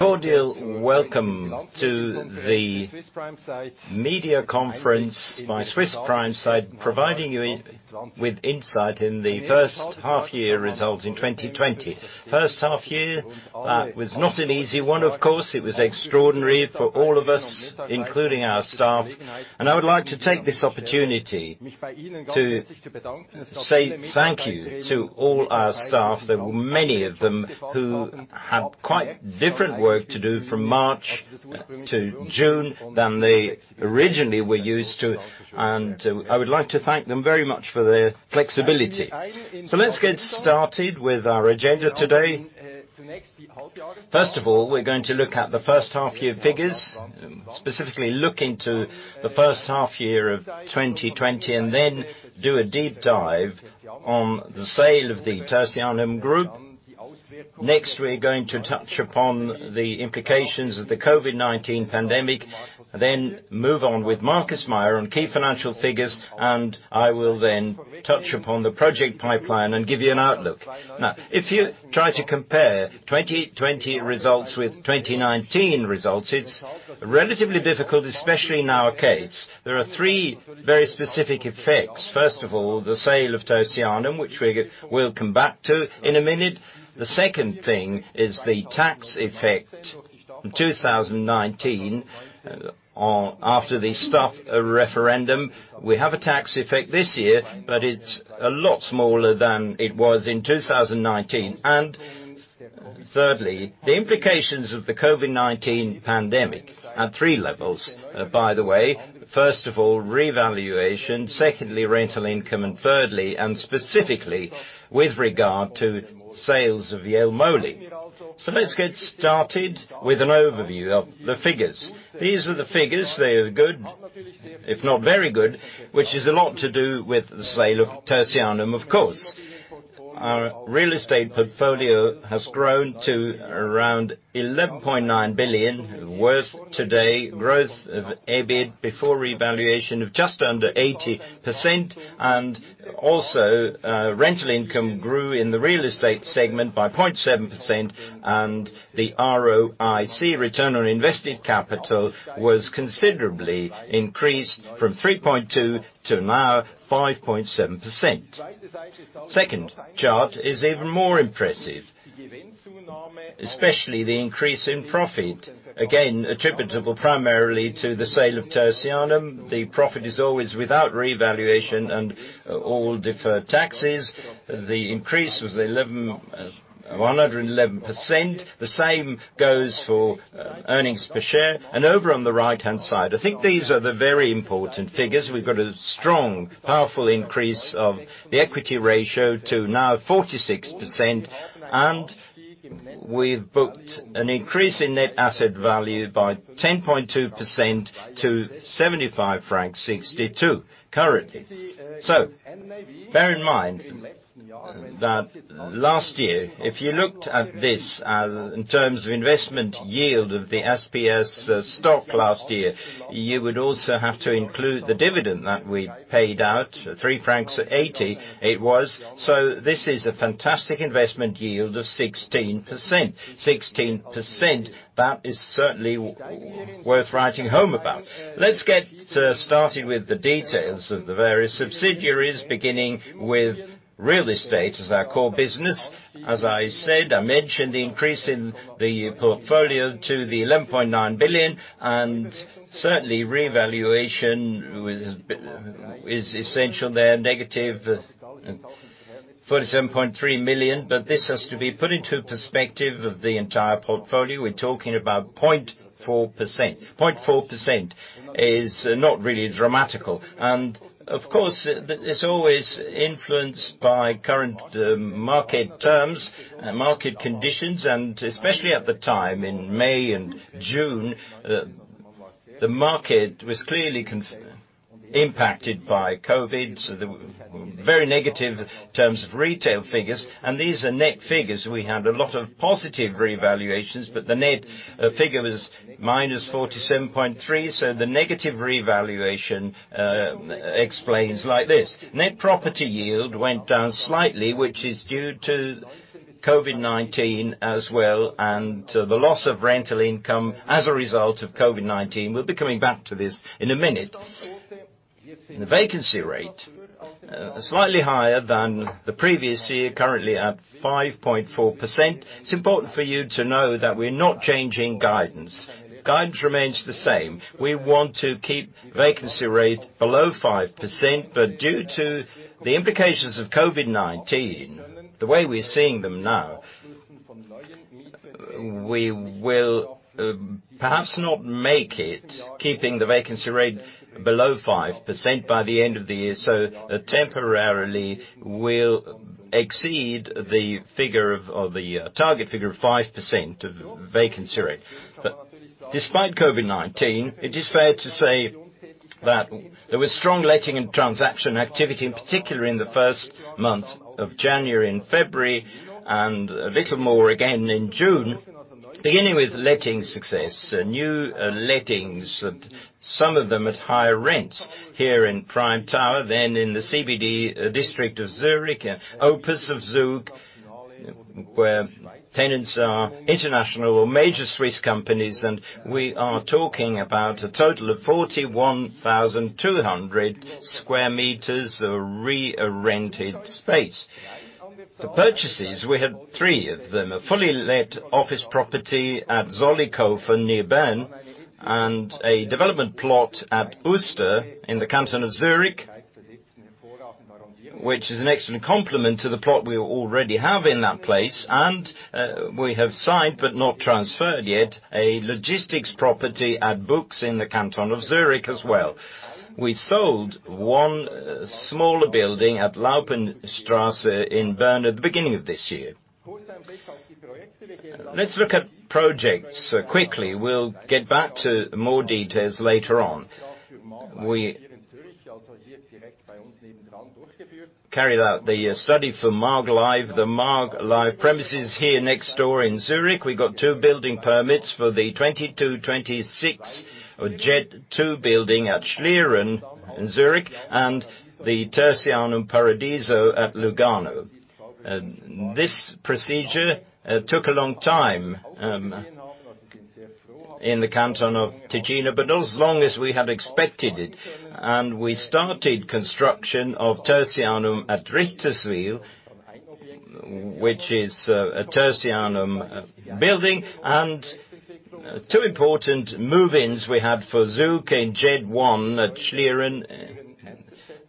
A cordial welcome to the media conference by Swiss Prime Site, providing you with insight in the first half-year results in 2020. First half-year, that was not an easy one, of course. It was extraordinary for all of us, including our staff. I would like to take this opportunity to say thank you to all our staff. There were many of them who had quite different work to do from March to June than they originally were used to. I would like to thank them very much for their flexibility. Let's get started with our agenda today. First of all, we're going to look at the first half-year figures, specifically look into the first half-year of 2020, and then do a deep dive on the sale of the Tertianum Group. Next, we're going to touch upon the implications of the COVID-19 pandemic, then move on with Markus Meier on key financial figures, and I will then touch upon the project pipeline and give you an outlook. If you try to compare 2020 results with 2019 results, it's relatively difficult, especially in our case. There are three very specific effects. First of all, the sale of Tertianum, which we will come back to in a minute. The second thing is the tax effect. In 2019, after the staff referendum, we have a tax effect this year, but it's a lot smaller than it was in 2019. Thirdly, the implications of the COVID-19 pandemic at three levels, by the way. First of all, revaluation, secondly, rental income, and thirdly, specifically with regard to sales of the Jelmoli. Let's get started with an overview of the figures. These are the figures. They are good, if not very good, which is a lot to do with the sale of Tertianum, of course. Our real estate portfolio has grown to around 11.9 billion today, growth of EBIT before revaluation of just under 80%, and also rental income grew in the real estate segment by 0.7%, and the ROIC, return on invested capital, was considerably increased from 3.2%-5.7%. Second chart is even more impressive, especially the increase in profit. Again, attributable primarily to the sale of Tertianum. The profit is always without revaluation and all deferred taxes. The increase was 111%. The same goes for earnings per share. Over on the right-hand side, I think these are the very important figures. We've got a strong, powerful increase of the equity ratio to now 46%, and we've booked an increase in net asset value by 10.2% to 75.62 francs currently. Bear in mind that last year, if you looked at this in terms of investment yield of the SPS stock last year, you would also have to include the dividend that we paid out, 3.80 francs it was. This is a fantastic investment yield of 16%. 16%, that is certainly worth writing home about. Let's get started with the details of the various subsidiaries, beginning with real estate as our core business. As I said, I mentioned increasing the portfolio to the 11.9 billion, and certainly revaluation is essential there, -47.3 million, but this has to be put into perspective of the entire portfolio. We're talking about 0.4%. 0.4% is not really dramatic. Of course, it's always influenced by current market terms and market conditions, especially at the time in May and June, the market was clearly impacted by COVID-19. Very negative in terms of retail figures, and these are net figures. We had a lot of positive revaluations, the net figure was -47.3 million, the negative revaluation explains like this. Net property yield went down slightly, which is due to COVID-19 as well, and the loss of rental income as a result of COVID-19. We'll be coming back to this in a minute. The vacancy rate, slightly higher than the previous year, currently at 5.4%. It's important for you to know that we're not changing guidance. Guidance remains the same. We want to keep vacancy rate below 5%. Due to the implications of COVID-19, the way we're seeing them now, we will perhaps not make it, keeping the vacancy rate below 5% by the end of the year. Temporarily, we'll exceed the target figure of 5% of vacancy rate. Despite COVID-19, it is fair to say that there was strong letting and transaction activity, in particular in the first months of January and February, and a little more again in June. Beginning with letting success, new lettings. Some of them at higher rents here in Prime Tower than in the CBD district of Zurich and Opus Zug, where tenants are international or major Swiss companies, and we are talking about a total of 41,200 sq m of re-rented space. For purchases, we had three of them, a fully let office property at Zollikofen, near Bern, and a development plot at Uster in the Canton of Zurich, which is an excellent complement to the plot we already have in that place. We have signed, but not transferred yet, a logistics property at Buchs in the Canton of Zurich as well. We sold one smaller building at Laupenstrasse in Bern at the beginning of this year. Let's look at projects quickly. We'll get back to more details later on. We carried out the study for Maaglive, the Maaglive premises here next door in Zurich. We got two building permits for the 2226 JED Two building at Schlieren in Zurich, and the Tertianum Paradiso at Lugano. This procedure took a long time in the Canton of Ticino, but not as long as we had expected it. We started construction of Tertianum at Richterswil, which is a Tertianum building. Two important move-ins we had for ZUG in JED at Schlieren.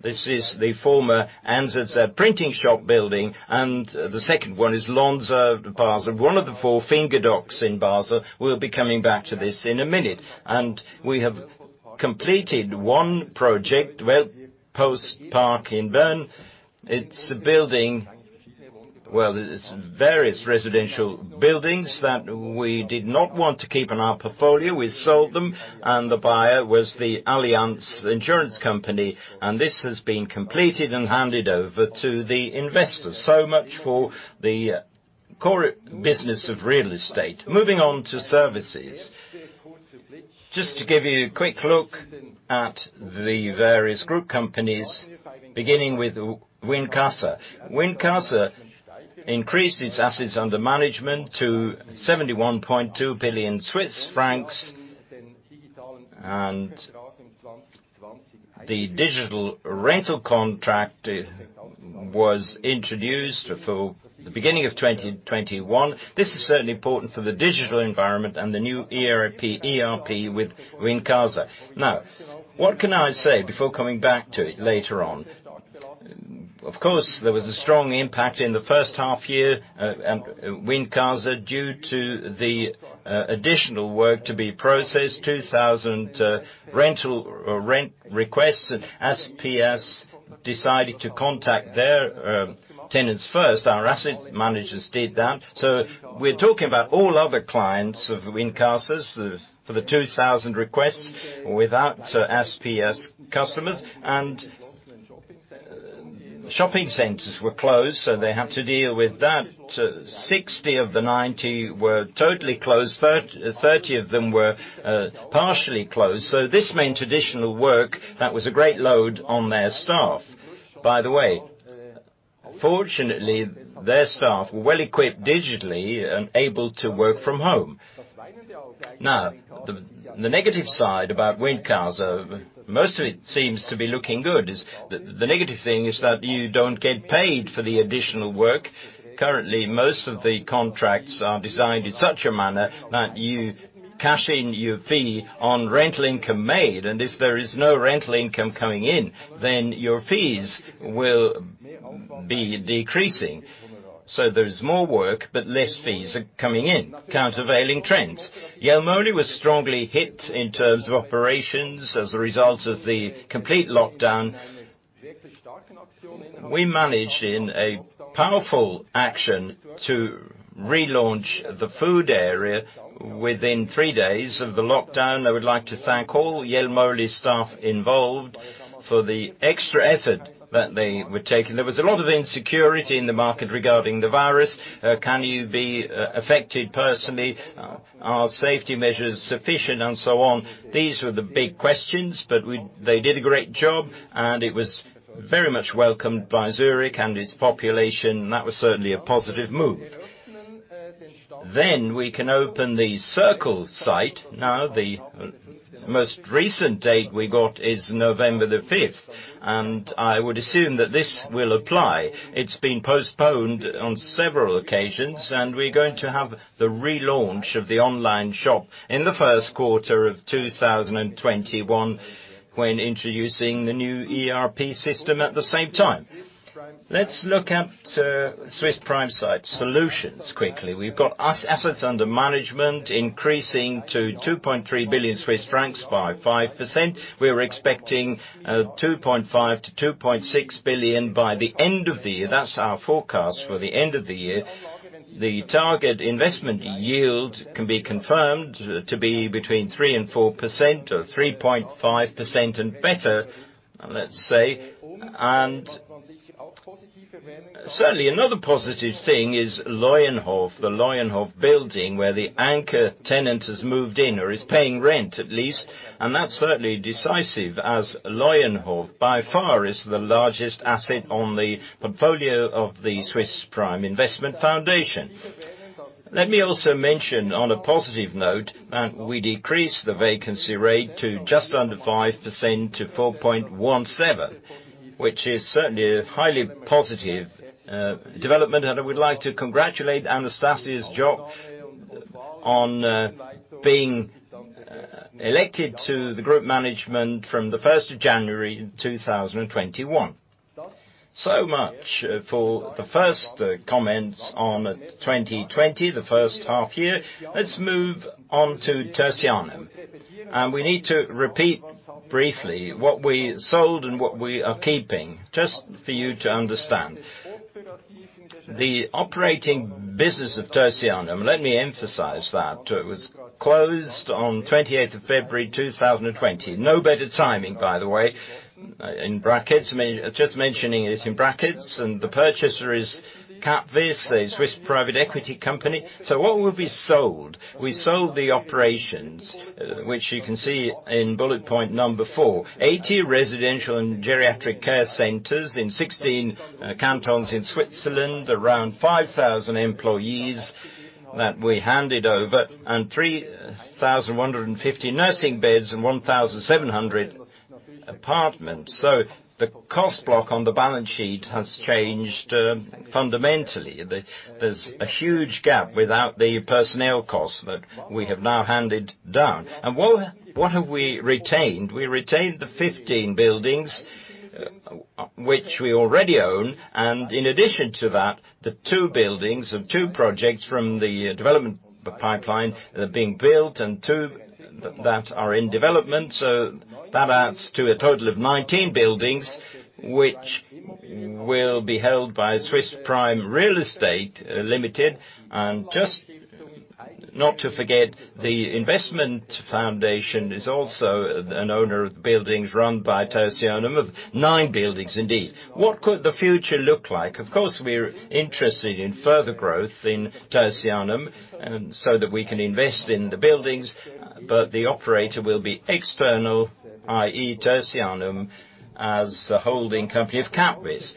This is the former NZZ printing shop building, and the second one is Lonza, Basel. One of the four Finger Docks in Basel. We'll be coming back to this in a minute. We have completed one project, Postparc in Bern. It's various residential buildings that we did not want to keep in our portfolio. We sold them and the buyer was the Allianz insurance company, and this has been completed and handed over to the investors. Much for the core business of real estate. Moving on to services. Just to give you a quick look at the various group companies, beginning with Wincasa. Wincasa increased its assets under management to 71.2 billion Swiss francs. The digital rental contract was introduced for the beginning of 2021. This is certainly important for the digital environment and the new ERP with Wincasa. What can I say before coming back to it later on? There was a strong impact in the first half year at Wincasa due to the additional work to be processed, 2,000 rent requests. As SPS decided to contact their tenants first, our assets managers did that. We're talking about all other clients of Wincasa's for the 2,000 requests without SPS customers. Shopping centers were closed, they had to deal with that. 60 of the 90 were totally closed. 30 of them were partially closed. This meant traditional work that was a great load on their staff. Fortunately, their staff were well-equipped digitally and able to work from home. The negative side about Wincasa, most of it seems to be looking good, is the negative thing is that you don't get paid for the additional work. Currently, most of the contracts are designed in such a manner that you cash in your fee on rental income made, and if there is no rental income coming in, then your fees will be decreasing. There's more work, less fees are coming in. Countervailing trends. Jelmoli was strongly hit in terms of operations as a result of the complete lockdown. We managed in a powerful action to relaunch the food area within three days of the lockdown. I would like to thank all Jelmoli staff involved for the extra effort that they were taking. There was a lot of insecurity in the market regarding the virus. Can you be affected personally? Are safety measures sufficient, and so on. These were the big questions, they did a great job, it was very much welcomed by Zurich and its population. That was certainly a positive move. We can open the Circle site. The most recent date we got is November 5th, I would assume that this will apply. It's been postponed on several occasions, we're going to have the relaunch of the online shop in the first quarter of 2021 when introducing the new ERP system at the same time. Let's look at Swiss Prime Site Solutions quickly. We've got assets under management increasing to 2.3 billion Swiss francs by 5%. We're expecting 2.5 billion-2.6 billion by the end of the year. That's our forecast for the end of the year. The target investment yield can be confirmed to be between 3% and 4%, or 3.5% and better, let's say. Certainly another positive thing is Löwenhof, the Löwenhof building, where the anchor tenant has moved in, or is paying rent at least. That's certainly decisive, as Löwenhof, by far, is the largest asset on the portfolio of the Swiss Prime Investment Foundation. Let me also mention on a positive note that we decreased the vacancy rate to just under 5%, to 4.17%, which is certainly a highly positive development. I would like to congratulate Anastasius Tschopp on being elected to the group management from the first of January 2021. So much for the first comments on 2020, the first half year. Let's move on to Tertianum. We need to repeat briefly what we sold and what we are keeping, just for you to understand. The operating business of Tertianum, let me emphasize that, it was closed on 28th of February 2020. No better timing, by the way. In brackets, just mentioning it in brackets, and the purchaser is Capvis, a Swiss private equity company. What would be sold? We sold the operations, which you can see in bullet point number four, 80 residential and geriatric care centers in 16 cantons in Switzerland. Around 5,000 employees that we handed over, and 3,150 nursing beds and 1,700 apartments. The cost block on the balance sheet has changed fundamentally. There's a huge gap without the personnel costs that we have now handed down. What have we retained? We retained the 15 buildings which we already own. In addition to that, the two buildings, or two projects from the development pipeline that are being built and two that are in development. That adds to a total of 19 buildings, which will be held by Swiss Prime real estate limited. Just not to forget, the Swiss Prime Investment Foundation is also an owner of the buildings run by Tertianum, of nine buildings indeed. What could the future look like? Of course, we're interested in further growth in Tertianum, and so that we can invest in the buildings. The operator will be external, i.e. Tertianum as the holding company of Capvis.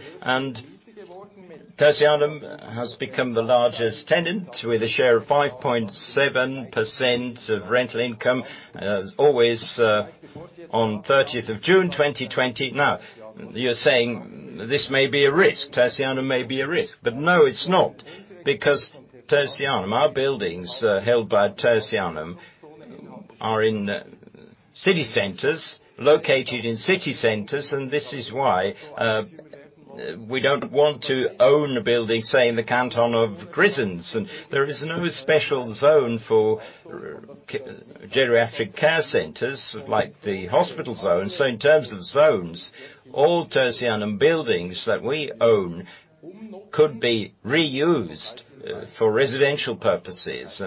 Tertianum has become the largest tenant with a share of 5.7% of rental income, as always, on 30th of June 2020. You're saying this may be a risk. Tertianum may be a risk. No, it's not, because Tertianum, our buildings held by Tertianum, are in city centers, located in city centers. This is why we don't want to own a building, say, in the canton of Grisons. There is no special zone for geriatric care centers like the hospital zone. In terms of zones, all Tertianum buildings that we own could be reused for residential purposes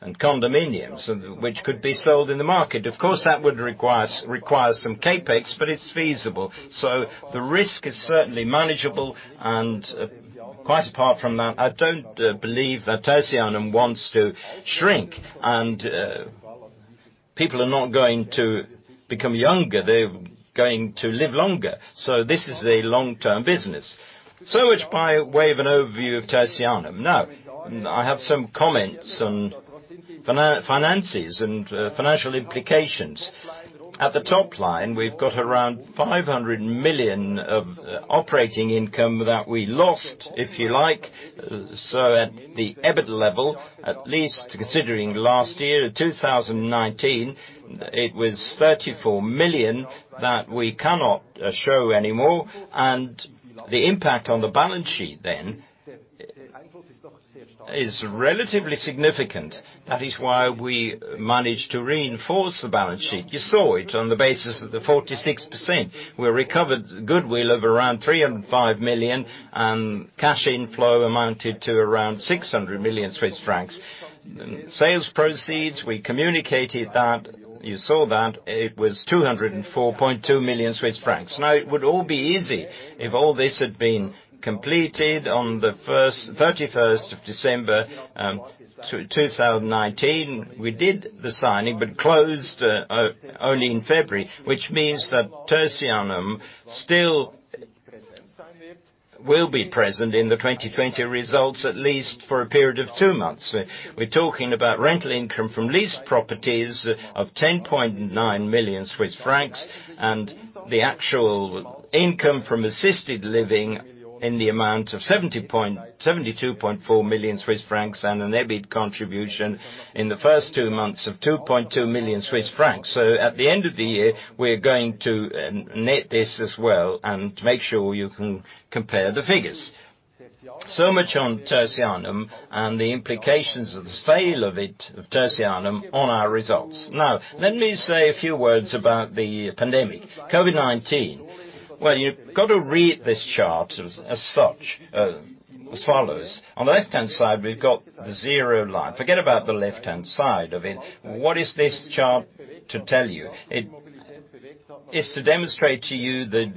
and condominiums, which could be sold in the market. Of course, that would require some CapEx, but it's feasible. The risk is certainly manageable. Quite apart from that, I don't believe that Tertianum wants to shrink. People are not going to become younger. They're going to live longer. This is a long-term business. Much by way of an overview of Tertianum. Now, I have some comments on finances and financial implications. At the top line, we've got around 500 million of operating income that we lost, if you like. At the EBIT level, at least considering last year, in 2019, it was 34 million that we cannot show anymore. The impact on the balance sheet then is relatively significant. That is why we managed to reinforce the balance sheet. You saw it on the basis of the 46%. We recovered goodwill of around 305 million, and cash inflow amounted to around 600 million Swiss francs. Sales proceeds, we communicated that. You saw that it was 204.2 million Swiss francs. It would all be easy if all this had been completed on the 31st of December 2019. We did the signing, but closed only in February, which means that Tertianum still will be present in the 2020 results, at least for a period of two months. We're talking about rental income from leased properties of 10.9 million Swiss francs, and the actual income from assisted living in the amount of 72.4 million Swiss francs, and an EBIT contribution in the first two months of 2.2 million Swiss francs. At the end of the year, we're going to net this as well and make sure you can compare the figures. Much on Tertianum and the implications of the sale of Tertianum on our results. Now, let me say a few words about the pandemic, COVID-19. Well, you've got to read this chart as such. As follows. On the left-hand side, we've got the zero line. Forget about the left-hand side of it. What is this chart to tell you? It is to demonstrate to you the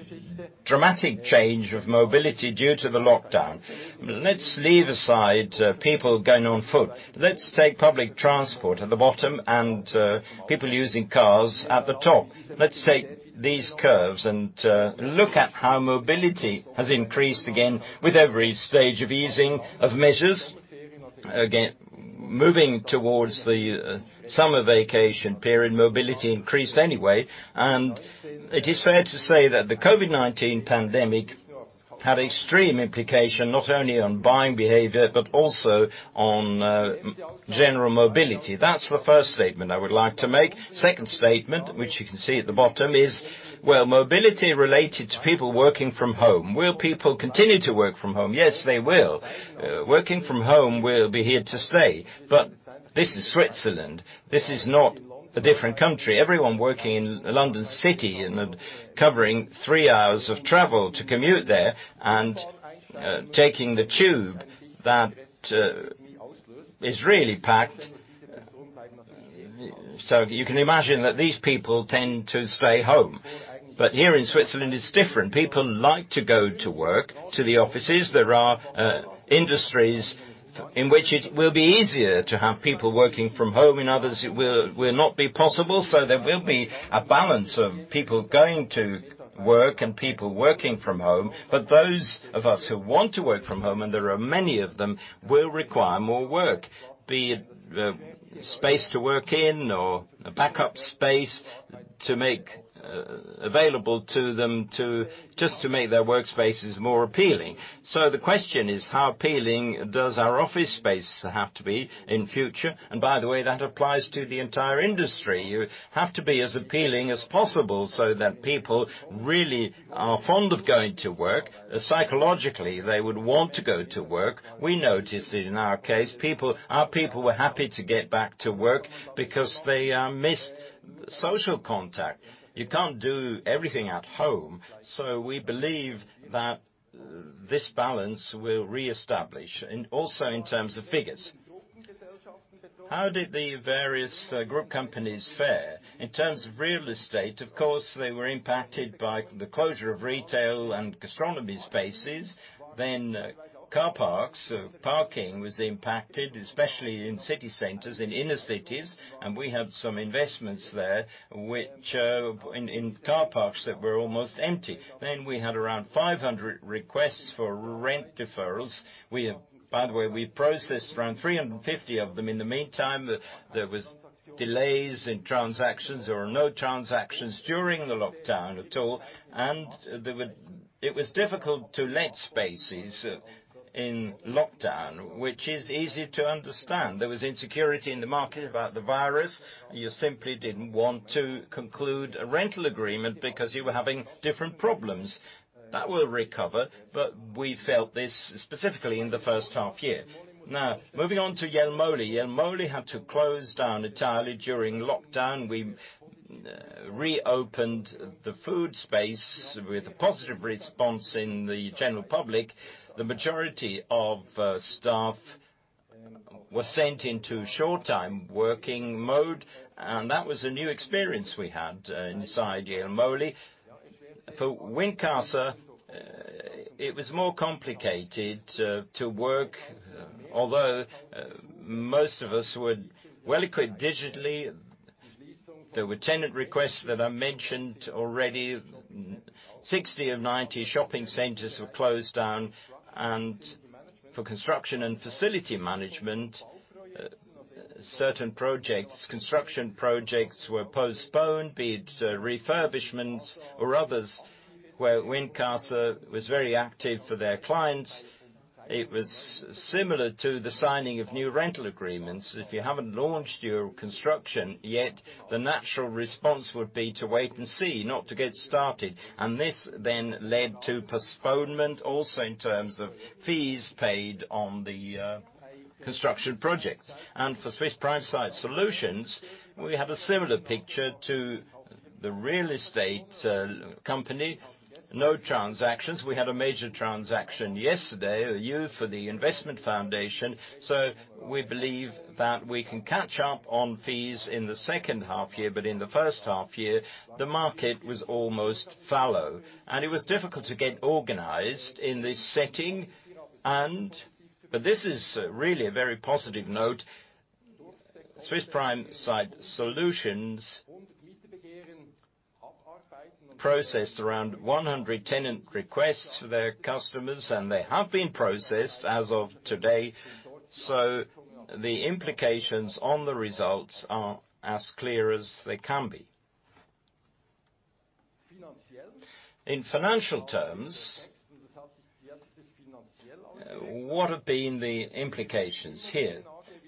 dramatic change of mobility due to the lockdown. Let's leave aside people going on foot. Let's take public transport at the bottom and people using cars at the top. Let's take these curves and look at how mobility has increased again with every stage of easing of measures. Moving towards the summer vacation period, mobility increased anyway. It is fair to say that the COVID-19 pandemic had extreme implications, not only on buying behavior, but also on general mobility. That's the first statement I would like to make. Second statement, which you can see at the bottom, is mobility related to people working from home. Will people continue to work from home? Yes, they will. Working from home will be here to stay. This is Switzerland. This is not a different country. Everyone working in London City and covering three hours of travel to commute there and taking the tube that is really packed. You can imagine that these people tend to stay home. Here in Switzerland, it's different. People like to go to work, to the offices. There are industries in which it will be easier to have people working from home. In others, it will not be possible. There will be a balance of people going to work and people working from home. Those of us who want to work from home, and there are many of them, will require more work, be it space to work in or a backup space to make available to them to just to make their workspaces more appealing. The question is, how appealing does our office space have to be in future? By the way, that applies to the entire industry. You have to be as appealing as possible so that people really are fond of going to work. Psychologically, they would want to go to work. We noticed it in our case. Our people were happy to get back to work because they missed social contact. You can't do everything at home. We believe that this balance will reestablish. Also in terms of figures. How did the various group companies fare? In terms of real estate, of course, they were impacted by the closure of retail and gastronomy spaces. Car parks. Parking was impacted, especially in city centers, in inner cities. We have some investments there in car parks that were almost empty. We had around 500 requests for rent deferrals. By the way, we processed around 350 of them in the meantime. There was delays in transactions. There were no transactions during the lockdown at all, and it was difficult to let spaces in lockdown, which is easy to understand. There was insecurity in the market about the virus. You simply didn't want to conclude a rental agreement because you were having different problems. That will recover, but we felt this specifically in the first half year. Moving on to Jelmoli. Jelmoli had to close down entirely during lockdown. We reopened the food space with a positive response in the general public. The majority of staff were sent into short-time working mode, and that was a new experience we had inside Jelmoli. For Wincasa, it was more complicated to work. Although most of us were well-equipped digitally, there were tenant requests that I mentioned already. 60 of 90 shopping centers were closed down. For construction and facility management, certain construction projects were postponed, be it refurbishments or others where Wincasa was very active for their clients. It was similar to the signing of new rental agreements. If you haven't launched your construction yet, the natural response would be to wait and see, not to get started. This then led to postponement also in terms of fees paid on the construction projects. For Swiss Prime Site Solutions, we have a similar picture to the real estate company. No transactions. We had a major transaction yesterday, a year for the investment foundation. We believe that we can catch up on fees in the second half year. In the first half year, the market was almost fallow, and it was difficult to get organized in this setting. This is really a very positive note. Swiss Prime Site Solutions processed around 100 tenant requests for their customers, and they have been processed as of today. The implications on the results are as clear as they can be. In financial terms, what have been the implications here?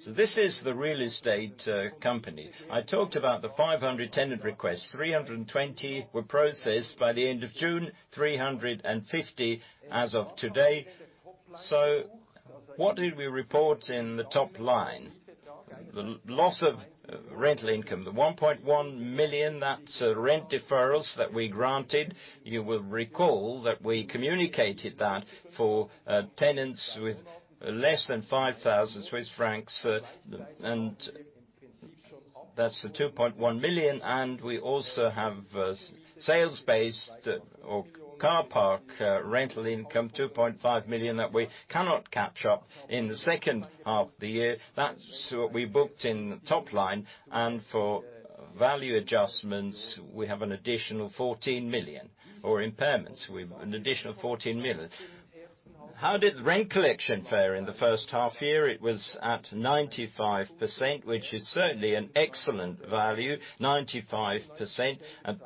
This is the real estate company. I talked about the 500 tenant requests. 320 were processed by the end of June, 350 as of today. What did we report in the top line? The loss of rental income, the 1.1 million, that's rent deferrals that we granted. You will recall that we communicated that for tenants with less than 5,000 Swiss francs, and that's the 2.1 million. We also have sales-based or car park rental income, 2.5 million, that we cannot catch up in the second half of the year. That's what we booked in the top line. For value adjustments, we have an additional 14 million, or impairments, an additional 1.4 million. How did rent collection fare in the first half year? It was at 95%, which is certainly an excellent value, 95%.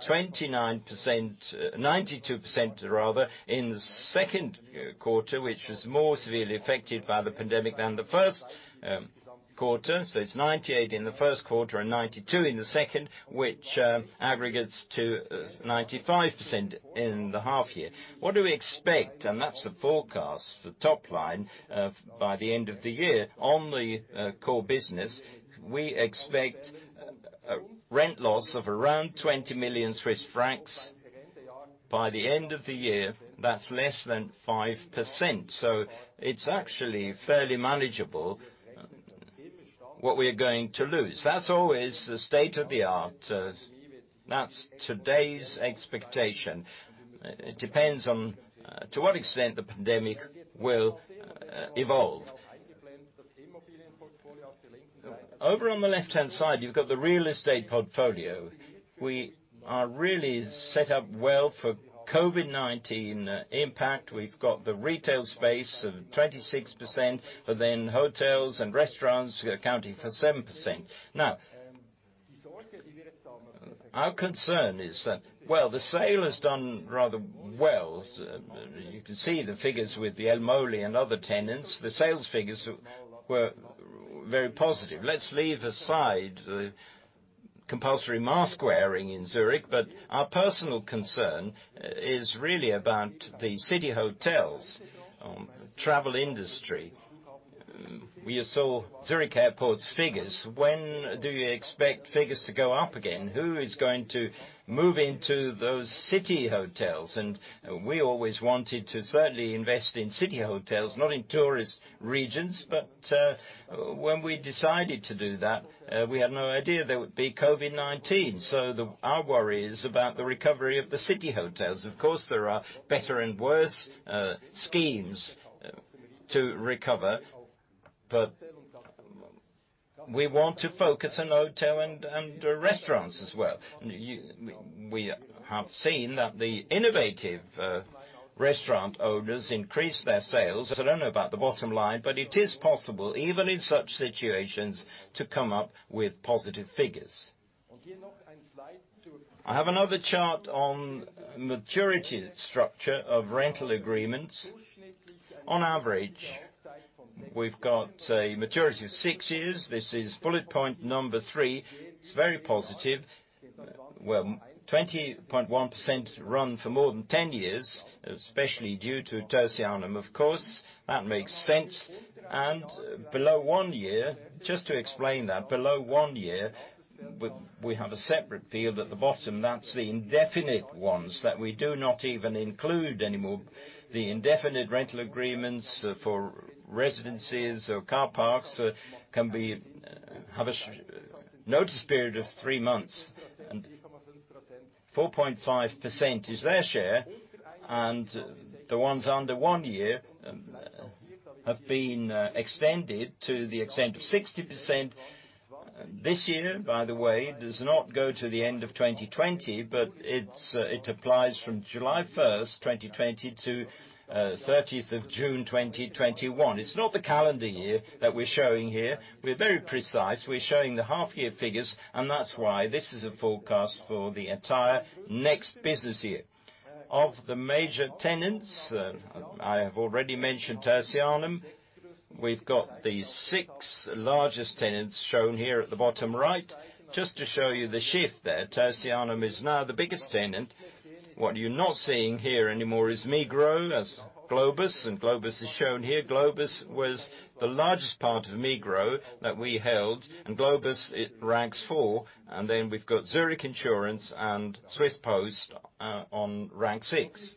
29%, 92% rather, in the second quarter, which was more severely affected by the pandemic than the first quarter. It's 98 in the first quarter and 92 in the second, which aggregates to 95% in the half year. What do we expect? That's the forecast, the top line. By the end of the year, on the core business, we expect rent loss of around 20 million Swiss francs. By the end of the year, that's less than 5%. It's actually fairly manageable what we're going to lose. That's always the state of the art. That's today's expectation. It depends on to what extent the pandemic will evolve. Over on the left-hand side, you've got the real estate portfolio. We are really set up well for COVID-19 impact. We've got the retail space of 26%, but then hotels and restaurants accounting for 7%. Our concern is that while the sale has done rather well. You can see the figures with the Jelmoli and other tenants. The sales figures were very positive. Let's leave aside the compulsory mask-wearing in Zurich, our personal concern is really about the city hotels, travel industry. We saw Zurich Airport's figures. When do you expect figures to go up again? Who is going to move into those city hotels? We always wanted to certainly invest in city hotels, not in tourist regions. When we decided to do that, we had no idea there would be COVID-19. Our worry is about the recovery of the city hotels. Of course, there are better and worse schemes to recover. We want to focus on hotel and restaurants as well. We have seen that the innovative restaurant owners increase their sales. I don't know about the bottom line, but it is possible, even in such situations, to come up with positive figures. I have another chart on maturity structure of rental agreements. On average, we've got a maturity of six years. This is bullet point number three. It's very positive. 20.1% run for more than 10 years, especially due to Tertianum, of course. That makes sense. Below one year, just to explain that, below one year, we have a separate field at the bottom. That's the indefinite ones that we do not even include anymore. The indefinite rental agreements for residences or car parks can have a notice period of three months. 4.5% is their share. The ones under one year have been extended to the extent of 60%. This year, by the way, does not go to the end of 2020, but it applies from July 1st, 2020 to 30th of June 2021. It's not the calendar year that we're showing here. We're very precise. We're showing the half year figures. That's why this is a forecast for the entire next business year. Of the major tenants, I have already mentioned Tertianum. We've got the six largest tenants shown here at the bottom right. Just to show you the shift there. Tertianum is now the biggest tenant. What you're not seeing here anymore is Migros, Globus. Globus is shown here. Globus was the largest part of Migros that we held. Globus, it ranks 4. Then we've got Zurich Insurance and Swiss Post on rank six.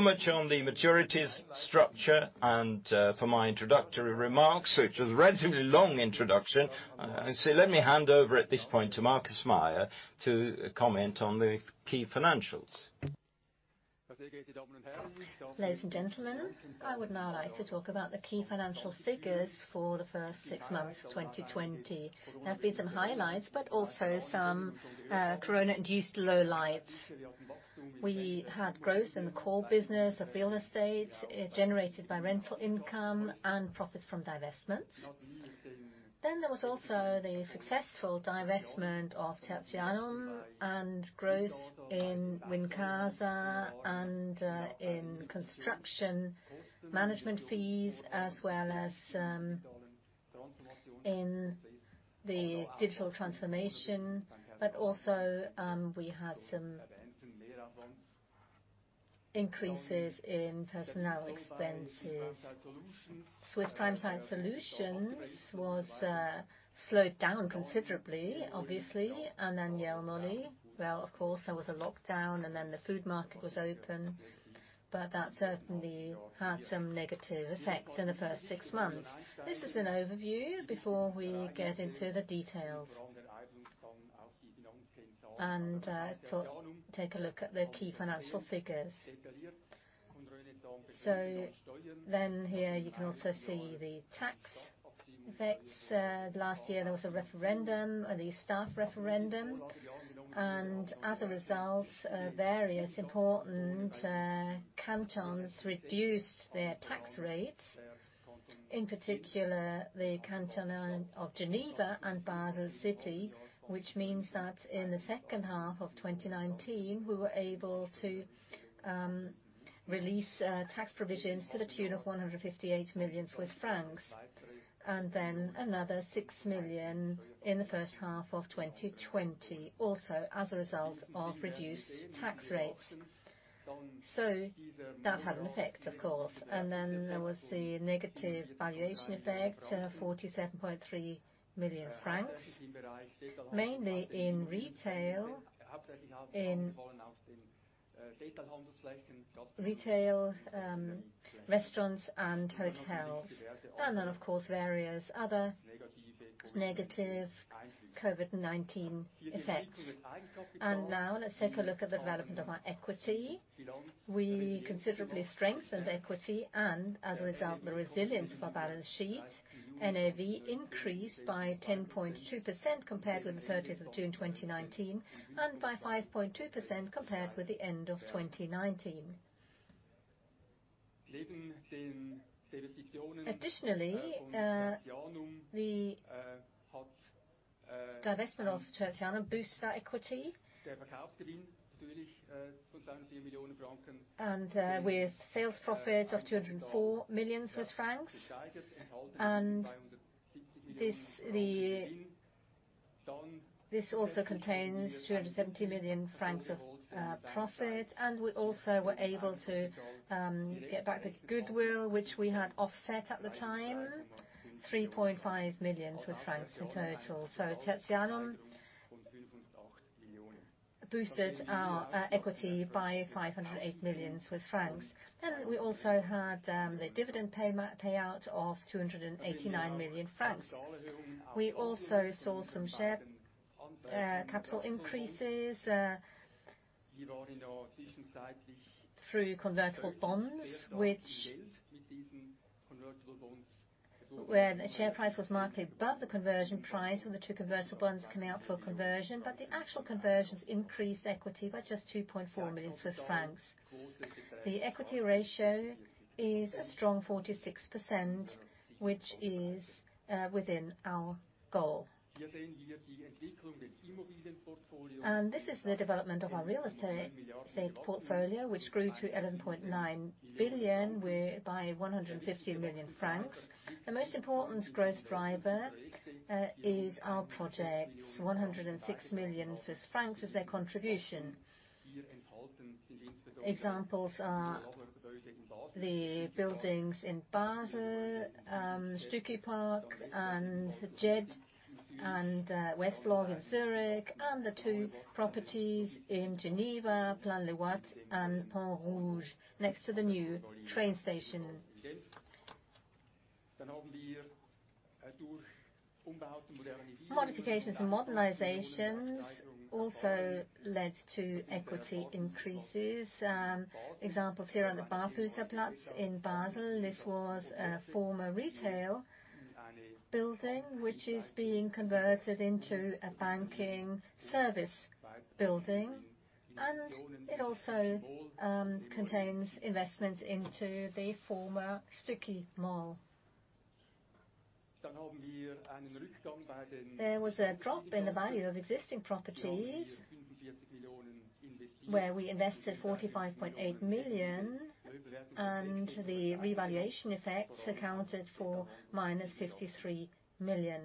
Much on the maturities structure and for my introductory remarks, which was a relatively long introduction. Let me hand over at this point to Markus Meier to comment on the key financials. Ladies and gentlemen, I would now like to talk about the key financial figures for the first six months of 2020. There have been some highlights, but also some corona-induced lowlights. We had growth in the core business of real estate generated by rental income and profits from divestments. There was also the successful divestment of Tertianum and growth in Wincasa and in construction management fees as well as in the digital transformation. Also, we had some increases in personnel expenses. Swiss Prime Site Solutions was slowed down considerably, obviously. Jelmoli, well, of course, there was a lockdown, and then the food market was open. That certainly had some negative effects in the first six months. This is an overview before we get into the details and take a look at the key financial figures. Here you can also see the tax effects. Last year, there was a referendum, the staff referendum, as a result, various important cantons reduced their tax rates, in particular the canton of Geneva and Basel-City, which means that in the second half of 2019, we were able to release tax provisions to the tune of 158 million Swiss francs, then another 6 million in the first half of 2020, also as a result of reduced tax rates. That had an effect, of course. There was the negative valuation effect, 47.3 million francs, mainly in retail, restaurants, and hotels. Of course, various other negative COVID-19 effects. Let's take a look at the development of our equity. We considerably strengthened equity and, as a result, the resilience of our balance sheet. NAV increased by 10.2% compared with the 30th of June, 2019, and by 5.2% compared with the end of 2019. The divestment of Tertianum boosts our equity. With sales profits of 204 million Swiss francs, this also contains 270 million francs of profit. We also were able to get back the goodwill which we had offset at the time, 3.5 million in total. Tertianum boosted our equity by 508 million Swiss francs. We also had the dividend payout of 289 million francs. We also saw some share capital increases through convertible bonds, where the share price was markedly above the conversion price of the two convertible bonds coming out for conversion. The actual conversions increased equity by just 2.4 million Swiss francs. The equity ratio is a strong 46%, which is within our goal. This is the development of our real estate portfolio, which grew to 11.9 billion by 150 million francs. The most important growth driver is our projects, 106 million Swiss francs was their contribution. Examples are the buildings in Basel, Stücki Park, and JED, and West-Log in Zurich, and the two properties in Geneva, Plan-les-Ouates and Pont Rouge, next to the new train station. Modifications and modernizations also led to equity increases. Examples here are the Barfüsserplatz in Basel. This was a former retail building which is being converted into a banking service building, and it also contains investments into the former Stücki Mall. There was a drop in the value of existing properties, where we invested 45.8 million, and the revaluation effects accounted for minus 53 million.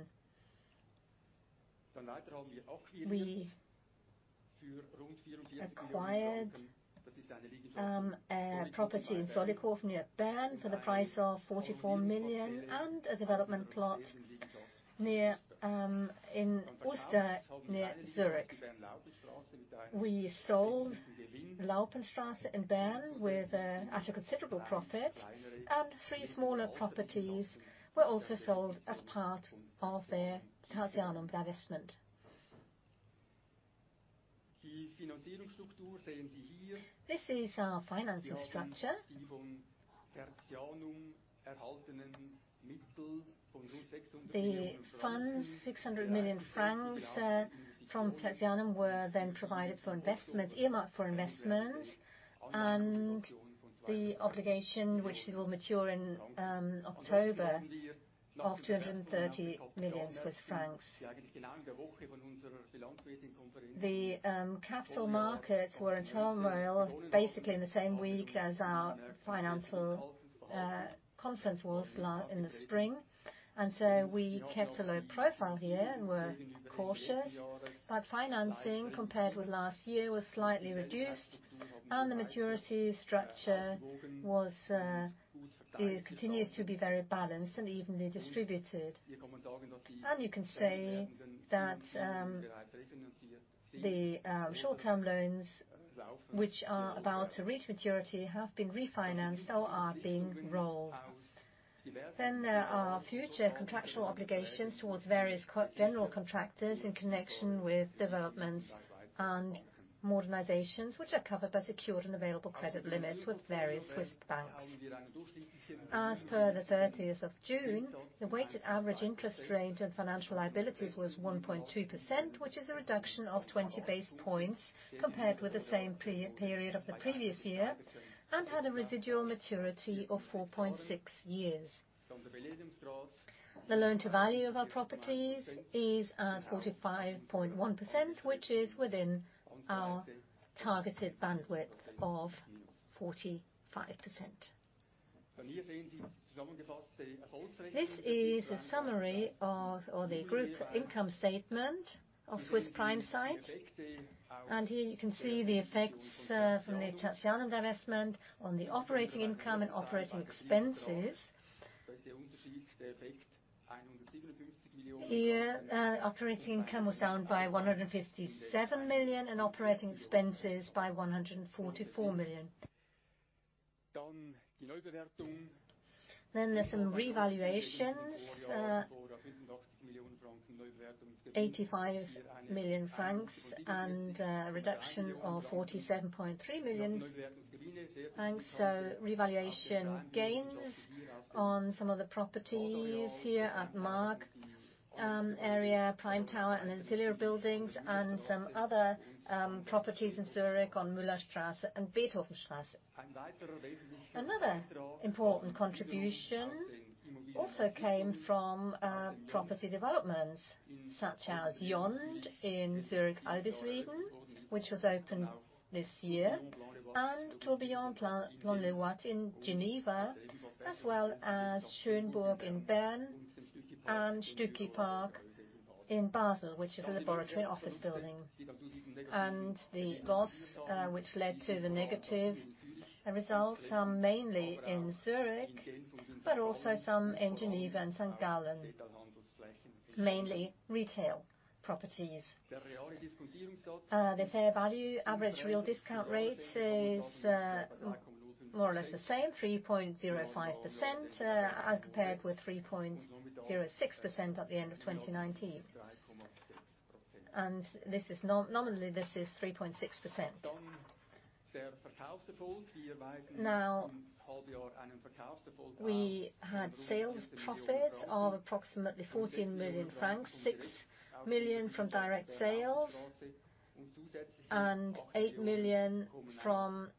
We acquired a property in Zollikofen near Bern for the price of 44 million and a development plot in Uster near Zurich. We sold Laupenstrasse in Bern with an actual considerable profit, and three smaller properties were also sold as part of the Tertianum divestment. This is our financial structure. The funds, 600 million francs from Tertianum, were then provided for investments, earmarked for investments, and the obligation which will mature in October of 230 million Swiss francs. The capital markets were in turmoil basically in the same week as our financial conference was in the spring. We kept a low profile here and were cautious, but financing, compared with last year, was slightly reduced. The maturity structure continues to be very balanced and evenly distributed. You can say that the short-term loans, which are about to reach maturity, have been refinanced or are being rolled. There are future contractual obligations towards various general contractors in connection with developments and modernizations, which are covered by secured and available credit limits with various Swiss banks. As per the 30th of June, the weighted average interest rate on financial liabilities was 1.2%, which is a reduction of 20 basis points compared with the same period of the previous year, and had a residual maturity of 4.6 years. The loan-to-value of our properties is 45.1%, which is within our targeted bandwidth of 45%. This is a summary of the group income statement of Swiss Prime Site, here you can see the effects from the Tertianum divestment on the operating income and operating expenses. Here operating income was down by 157 million and operating expenses by 144 million. There's some revaluations, 85 million francs, and a reduction of 47.3 million francs. Revaluation gains on some of the properties here at Maag area, Prime Tower and ancillary buildings and some other properties in Zurich on Müllerstrasse and Beethovenstrasse. Another important contribution also came from property developments, such as Yond in Zurich Albisrieden, which was opened this year, and Espace Tourbillon Plan-les-Ouates in Geneva, as well as Schönburg in Bern and Stücki Park in Basel, which is a laboratory office building. The losses which led to the negative results are mainly in Zurich, but also some in Geneva and St. Gallen, mainly retail properties. The fair value average real discount rate is more or less the same, 3.05%, as compared with 3.06% at the end of 2019. Nominally, this is 3.6%. We had sales profits of approximately 14 million francs, 6 million from direct sales and 8 million from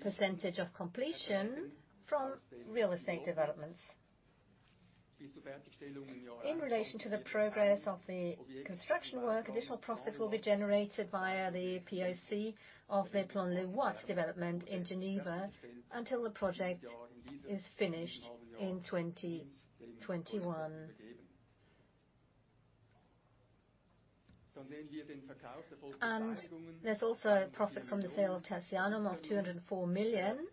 percentage of completion from real estate developments. In relation to the progress of the construction work, additional profits will be generated via the POC of the Plan-les-Ouates development in Geneva until the project is finished in 2021. There's also a profit from the sale of Tertianum of 204 million,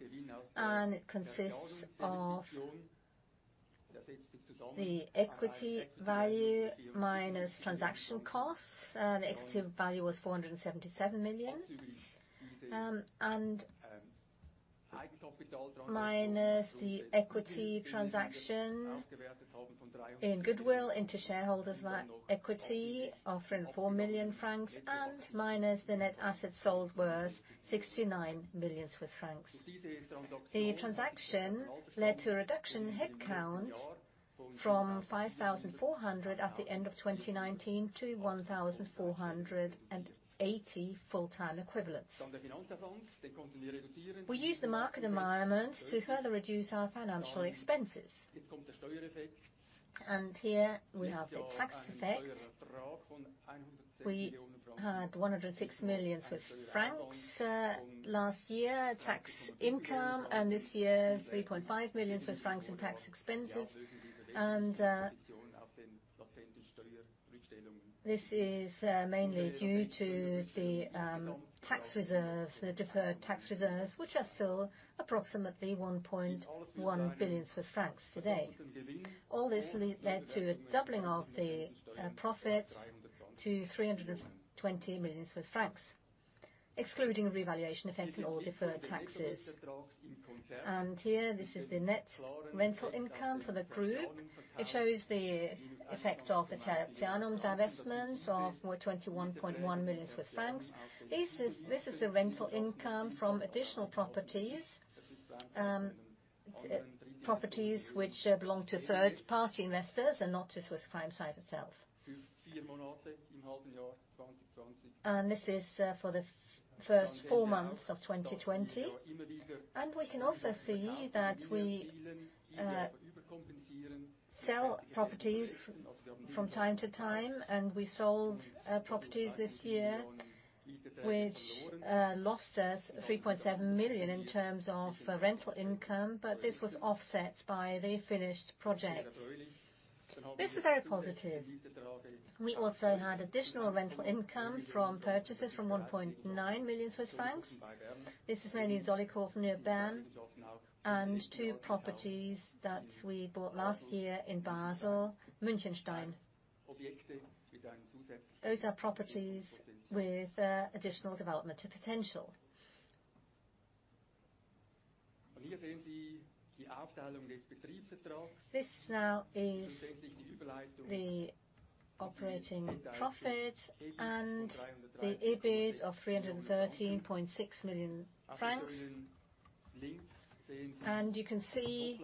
and it consists of the equity value minus transaction costs. The equity value was 477 million, and minus the equity transaction in goodwill into shareholders' equity of 104 million francs and minus the net assets sold worth 69 million Swiss francs. The transaction led to a reduction in headcount from 5,400 at the end of 2019 to 1,480 full-time equivalents. We used the market environment to further reduce our financial expenses. Here we have the tax effect. We had 106 million Swiss francs last year, tax income, and this year 3.5 million Swiss francs in tax expenses. This is mainly due to the tax reserves, the deferred tax reserves, which are still approximately 1.1 billion Swiss francs today. All this led to a doubling of the profit to 320 million Swiss francs, excluding revaluation effects and all deferred taxes. Here, this is the net rental income for the group. It shows the effect of the Tertianum divestments of 21.1 million Swiss francs. This is the rental income from additional properties which belong to third-party investors and not to Swiss Prime Site itself. This is for the first four months of 2020. We can also see that we sell properties from time to time, and we sold properties this year which lost us 3.7 million in terms of rental income, but this was offset by the finished projects. This is very positive. We also had additional rental income from purchases from 1.9 million Swiss francs. This is mainly in Zollikofen near Bern, and two properties that we bought last year in Basel, Münchenstein. Those are properties with additional development potential. This now is the operating profit and the EBIT of 313.6 million francs. You can see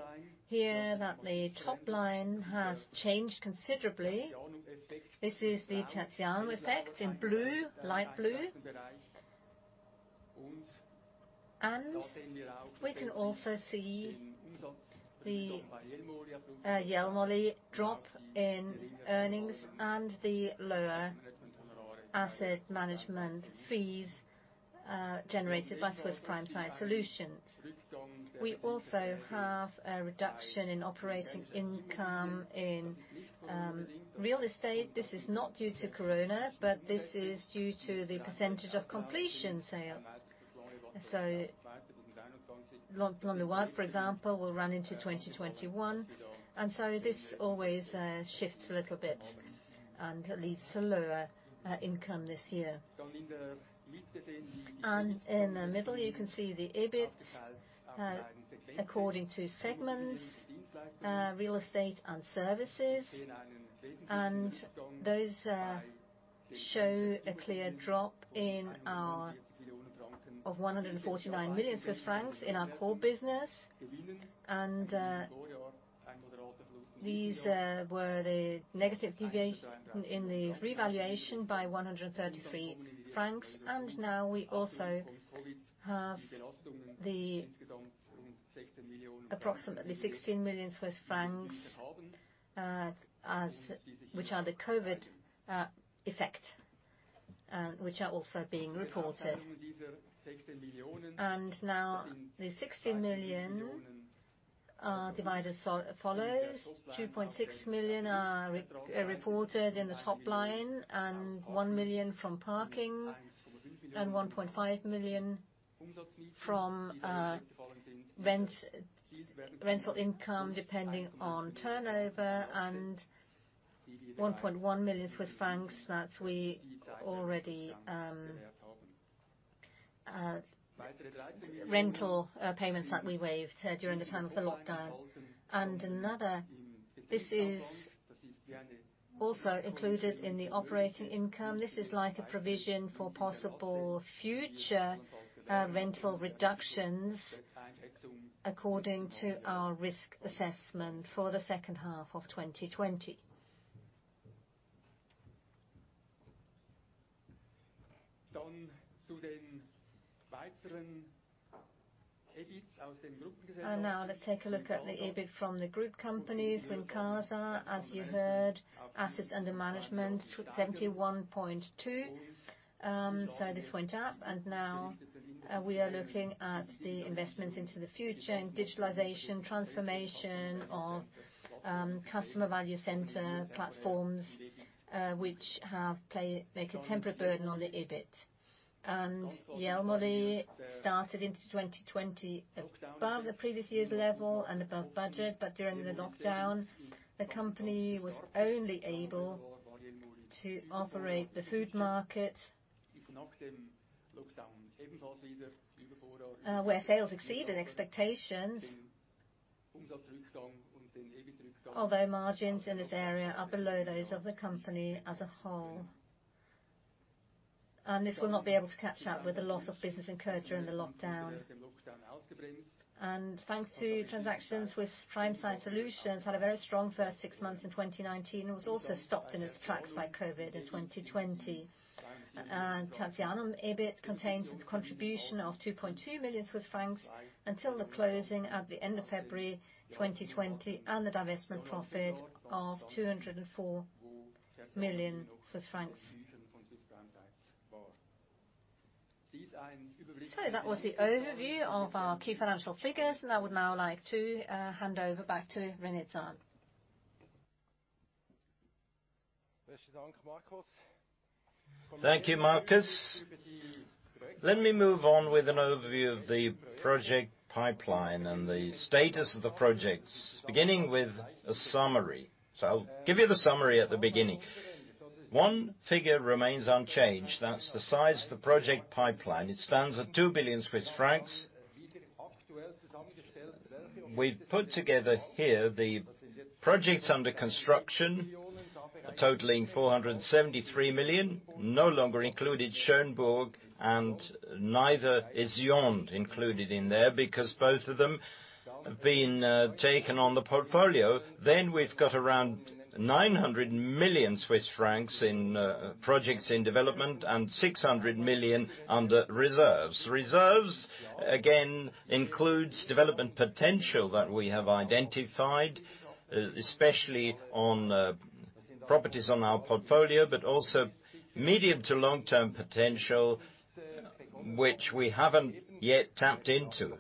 here that the top line has changed considerably. This is the Tertianum effect in blue, light blue. We can also see the Jelmoli drop in earnings and the lower asset management fees generated by Swiss Prime Site Solutions. We also have a reduction in operating income in real estate. This is not due to Corona, but this is due to the percentage of completion sale. L'Envol, for example, will run into 2021, and so this always shifts a little bit and leads to lower income this year. In the middle here, you can see the EBIT according to segments, real estate and services. Those show a clear drop of 149 million Swiss francs in our core business. These were the negative deviation in the revaluation by 133 francs. Now we also have approximately CHF 16 million, which are the COVID effect, which are also being reported. Now the 16 million divided as follows: 2.6 million are reported in the top line, and 1 million from parking, and 1.5 million from rental income, depending on turnover, and CHF 1.1 million, rental payments that we waived during the time of the lockdown. Another, this is also included in the operating income. This is like a provision for possible future rental reductions according to our risk assessment for the second half of 2020. Now let's take a look at the EBIT from the group companies. Wincasa, as you heard, assets under management, 71.2. This went up. Now we are looking at the investments into the future in digitalization, transformation of customer value center platforms, which have made a temporary burden on the EBIT. Jelmoli started into 2020 above the previous year's level and above budget. During the lockdown, the company was only able to operate the food market, where sales exceeded expectations. Although margins in this area are below those of the company as a whole. This will not be able to catch up with the loss of business incurred during the lockdown. Thanks to transactions with Swiss Prime Site Solutions, had a very strong first six months in 2019, was also stopped in its tracks by COVID in 2020. Tertianum EBIT contains its contribution of 2.2 million Swiss francs until the closing at the end of February 2020, and the divestment profit of 204 million Swiss francs. That was the overview of our key financial figures, and I would now like to hand over back to René Zahnd. Thank you, Markus. Let me move on with an overview of the project pipeline and the status of the projects, beginning with a summary. I'll give you the summary at the beginning. One figure remains unchanged. That's the size of the project pipeline. It stands at 2 billion Swiss francs. We've put together here the projects under construction totaling 473 million, no longer included Schönburg, and neither is Yond included in there because both of them have been taken on the portfolio. We've got around 900 million Swiss francs in projects in development and 600 million under reserves. Reserves, again, includes development potential that we have identified, especially on properties on our portfolio, but also medium to long-term potential which we haven't yet tapped into.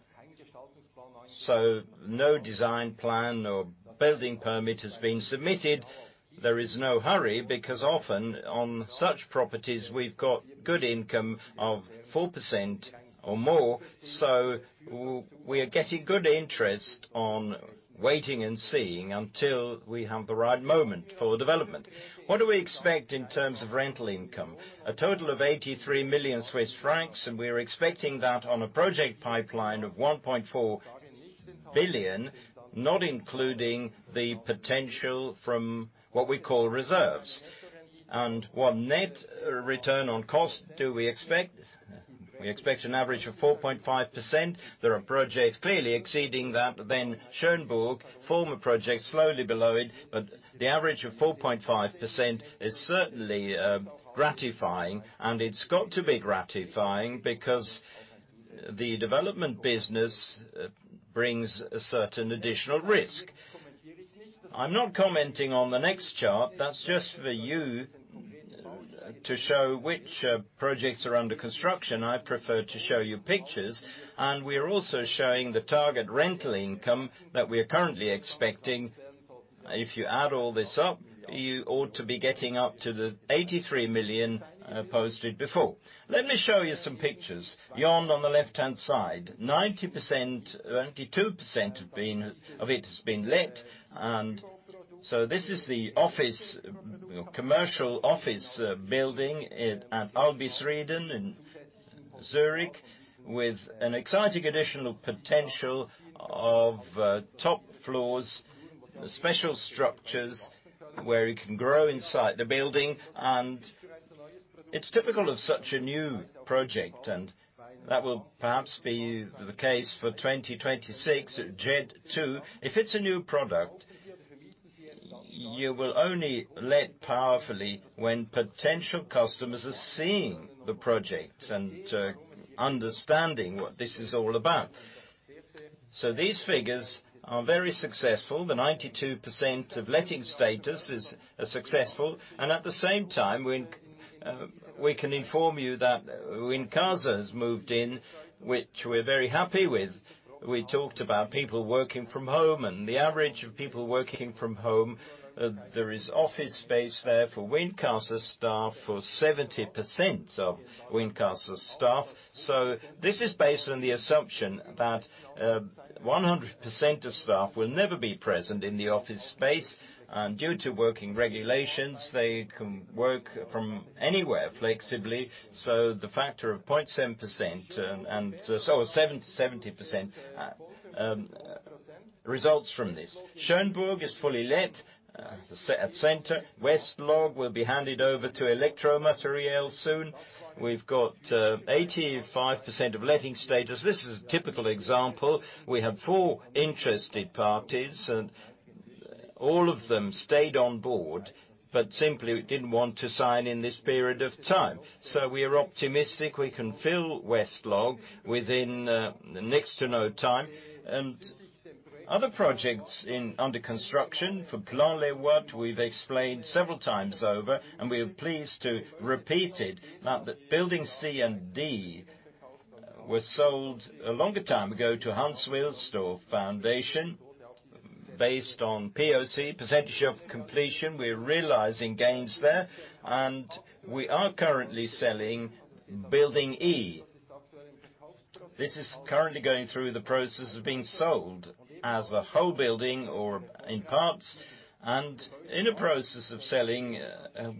No design plan or building permit has been submitted. There is no hurry because often on such properties, we've got good income of 4% or more. We are getting good interest on waiting and seeing until we have the right moment for development. What do we expect in terms of rental income? A total of 83 million Swiss francs. We are expecting that on a project pipeline of 1.4 billion, not including the potential from what we call reserves. What net return on cost do we expect? We expect an average of 4.5%. There are projects clearly exceeding that. Schönburg, former project, slowly below it. The average of 4.5% is certainly gratifying. It's got to be gratifying because the development business brings a certain additional risk. I'm not commenting on the next chart. That's just for you to show which projects are under construction. I prefer to show you pictures. We are also showing the target rental income that we are currently expecting. If you add all this up, you ought to be getting up to the 83 million posted before. Let me show you some pictures. Yond on the left-hand side, 92% of it has been let. This is the commercial office building at Albisrieden in Zurich, with an exciting additional potential of top floors, special structures where it can grow inside the building. It is typical of such a new project, and that will perhaps be the case for 2026, JED. If it is a new product, you will only let powerfully when potential customers are seeing the project and understanding what this is all about. These figures are very successful. The 92% of letting status is successful, and at the same time, we can inform you that Wincasa has moved in, which we're very happy with. We talked about people working from home and the average of people working from home. There is office space there for Wincasa staff, for 70% of Wincasa staff. This is based on the assumption that 100% of staff will never be present in the office space. Due to working regulations, they can work from anywhere flexibly, so the factor of 70% results from this. Schönburg is fully let at center. West-Log will be handed over to Elektro-Material soon. We've got 85% of letting status. This is a typical example. We had four interested parties, and all of them stayed on board, but simply didn't want to sign in this period of time. We are optimistic we can fill West-Log within next to no time. Other projects under construction. For Plan-les-Ouates, we've explained several times over, and we are pleased to repeat it, that building C and D were sold a longer time ago to Hans Wilsdorf Foundation. Based on POC, percentage of completion, we're realizing gains there, and we are currently selling building E. This is currently going through the process of being sold as a whole building or in parts. In the process of selling,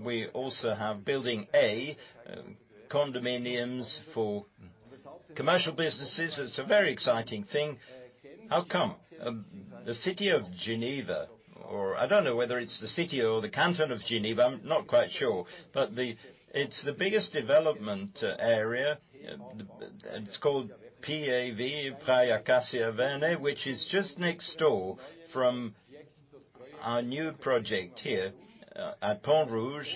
we also have building A, condominiums for commercial businesses. It's a very exciting thing. How come? The city of Geneva, or I don't know whether it's the city or the canton of Geneva, I'm not quite sure. It's the biggest development area. It's called PAV, Praille Acacias Vernets, which is just next door from our new project here at Pont Rouge.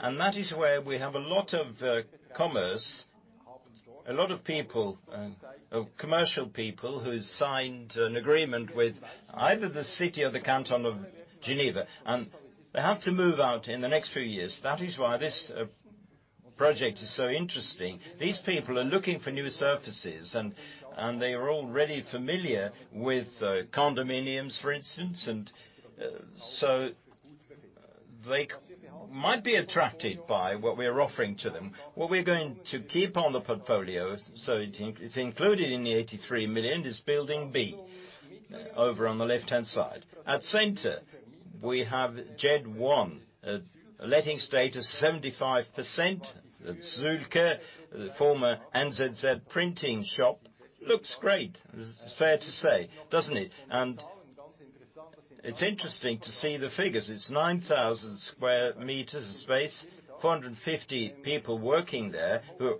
That is where we have a lot of commerce, a lot of commercial people who signed an agreement with either the city or the canton of Geneva, and they have to move out in the next few years. That is why this project is so interesting. These people are looking for new surfaces, and they are already familiar with condominiums, for instance. They might be attracted by what we are offering to them. What we're going to keep on the portfolio, so it's included in the 83 million, is building B over on the left-hand side. At center, we have JED, letting status 75%. The Zühlke, the former NZZ printing shop. Looks great, it's fair to say, doesn't it? It's interesting to see the figures. It's 9,000 square meters of space, 450 people working there who are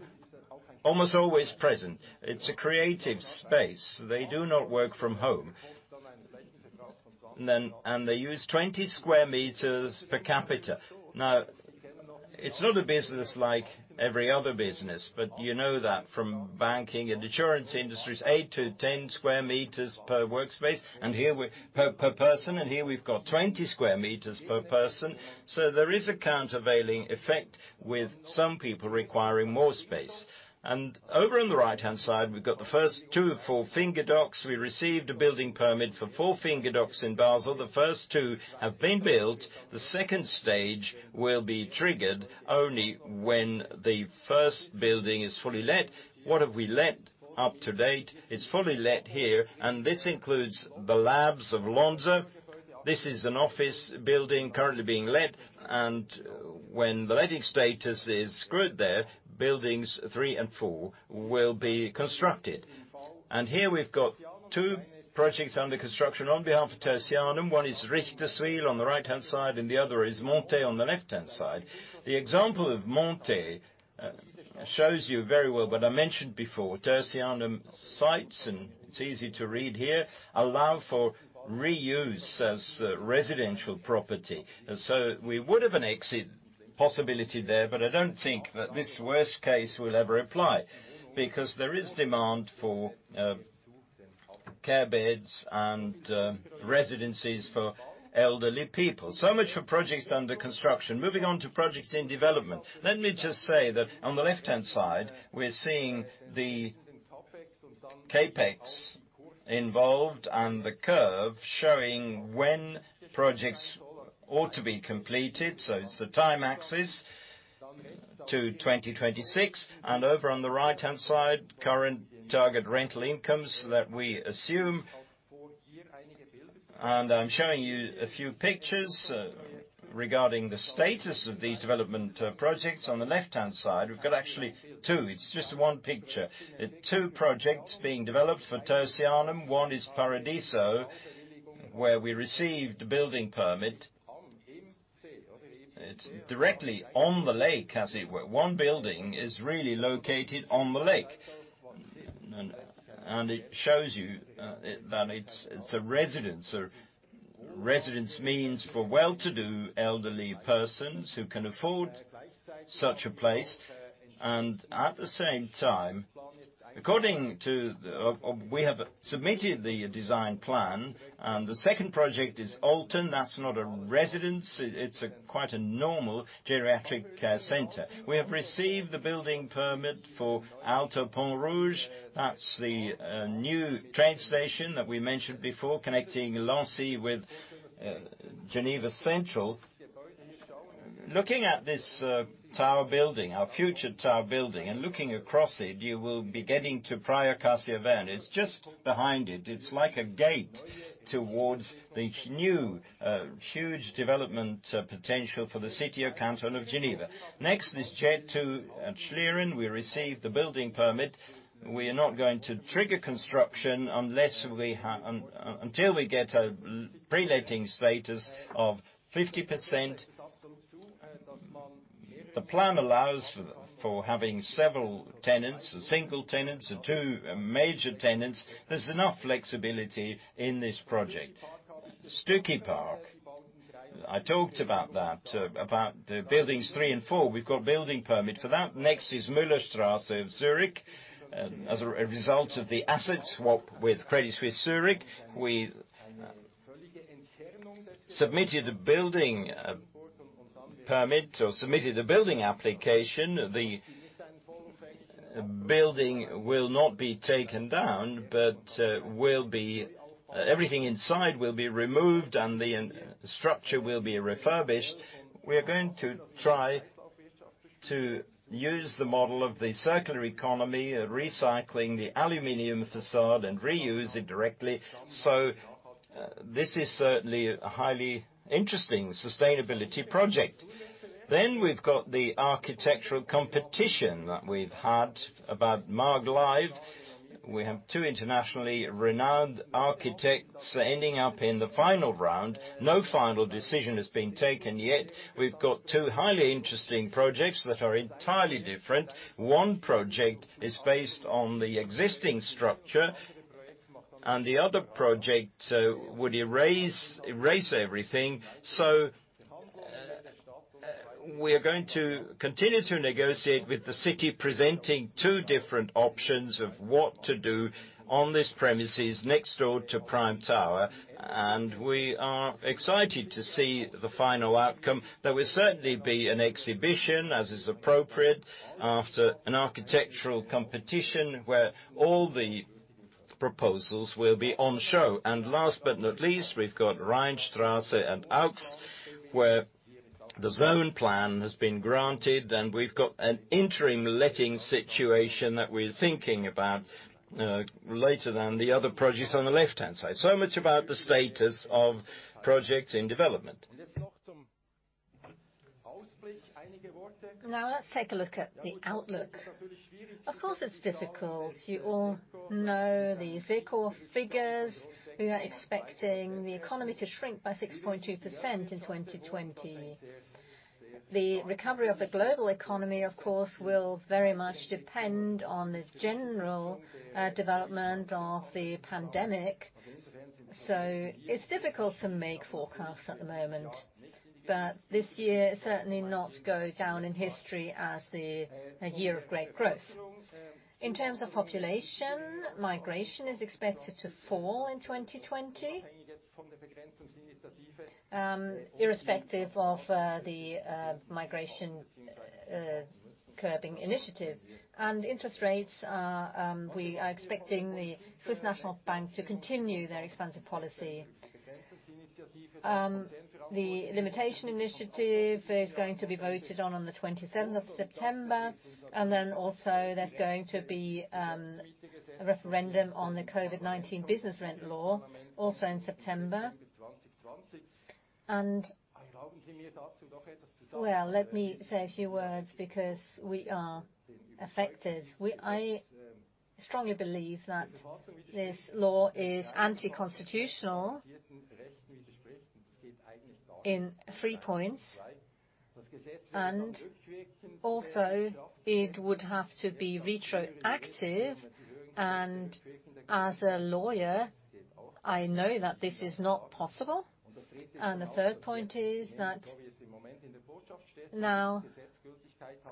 almost always present. It's a creative space. They do not work from home. They use 20 sq m per capita. It's not a business like every other business, but you know that from banking and insurance industries, eight to 10 sq m per workspace, per person. Here we've got 20 sq m per person. There is a countervailing effect with some people requiring more space. Over on the right-hand side, we've got the first two of four Finger Docks. We received a building permit for Four Finger Docks in Basel. The first two have been built. The second stage will be triggered only when the first building is fully let. What have we let up to date? It's fully let here, and this includes the labs of Lonza. This is an office building currently being let, and when the letting status is good there, buildings three and four will be constructed. Here we've got two projects under construction on behalf of Tertianum. One is Richterswil on the right-hand side, and the other is Montet on the left-hand side. The example of Montet shows you very well what I mentioned before. Tertianum sites, and it's easy to read here, allow for reuse as residential property. We would have an exit possibility there, but I don't think that this worst case will ever apply, because there is demand for care beds and residencies for elderly people. Much for projects under construction. Moving on to projects in development. Let me just say that on the left-hand side, we're seeing the CapEx involved and the curve showing when projects ought to be completed. It's the time axis to 2026. Over on the right-hand side, there are current target rental incomes that we assume. I'm showing you a few pictures regarding the status of these development projects. On the left-hand side, we've got actually two. It's just one picture. Two projects being developed for Tertianum. One is Paradiso, where we received a building permit. It's directly on the lake, as it were. One building is really located on the lake. It shows you that it's a residence. Residence means for well-to-do elderly persons who can afford such a place. At the same time, we have submitted the design plan. The second project is Olten. That's not a residence. It's quite a normal geriatric care center. We have received the building permit for Alto Pont-Rouge. That's the new train station that we mentioned before, connecting Lancy with Geneva Central. Looking at this tower building, our future tower building, and looking across it, you will be getting to Praille Acacias Vernets. It's just behind it. It's like a gate towards the new, huge development potential for the city or canton of Geneva. Next is JED two at Schlieren. We received the building permit. We are not going to trigger construction until we get a pre-letting status of 50%. The plan allows for having several tenants, single tenants, or two major tenants. There's enough flexibility in this project. Stücki Park. I talked about that, about the buildings three and four. We've got building permit for that. Next is Müllerstrasse in Zurich. As a result of the asset swap with Credit Suisse Zurich, we submitted a building permit or submitted a building application. The building will not be taken down, but everything inside will be removed, and the structure will be refurbished. We are going to try to use the model of the circular economy, recycling the aluminum facade and reuse it directly. This is certainly a highly interesting sustainability project. We've got the architectural competition that we've had about Maaglive. We have two internationally renowned architects ending up in the final round. No final decision has been taken yet. We've got two highly interesting projects that are entirely different. One project is based on the existing structure, and the other project would erase everything. We are going to continue to negotiate with the city, presenting two different options of what to do on these premises next door to Prime Tower. We are excited to see the final outcome. There will certainly be an exhibition, as is appropriate, after an architectural competition where all the proposals will be on show. Last but not least, we've got Rheinstrasse and Augst, where the zone plan has been granted, and we've got an interim letting situation that we're thinking about later than the other projects on the left-hand side. Much about the status of projects in development. Now let's take a look at the outlook. Of course, it's difficult. You all know the SECO figures. We are expecting the economy to shrink by 6.2% in 2020. The recovery of the global economy, of course, will very much depend on the general development of the pandemic. It's difficult to make forecasts at the moment. This year will certainly not go down in history as a year of great growth. In terms of population, migration is expected to fall in 2020, irrespective of the migration curbing initiative. Interest rates, we are expecting the Swiss National Bank to continue their expansive policy. The limitation initiative is going to be voted on the 27th of September. There's going to be a referendum on the COVID-19 business rent law also in September. Well, let me say a few words because we are affected. I strongly believe that this law is anti-constitutional in three points. Also, it would have to be retroactive. As a lawyer, I know that this is not possible. The third point is that now,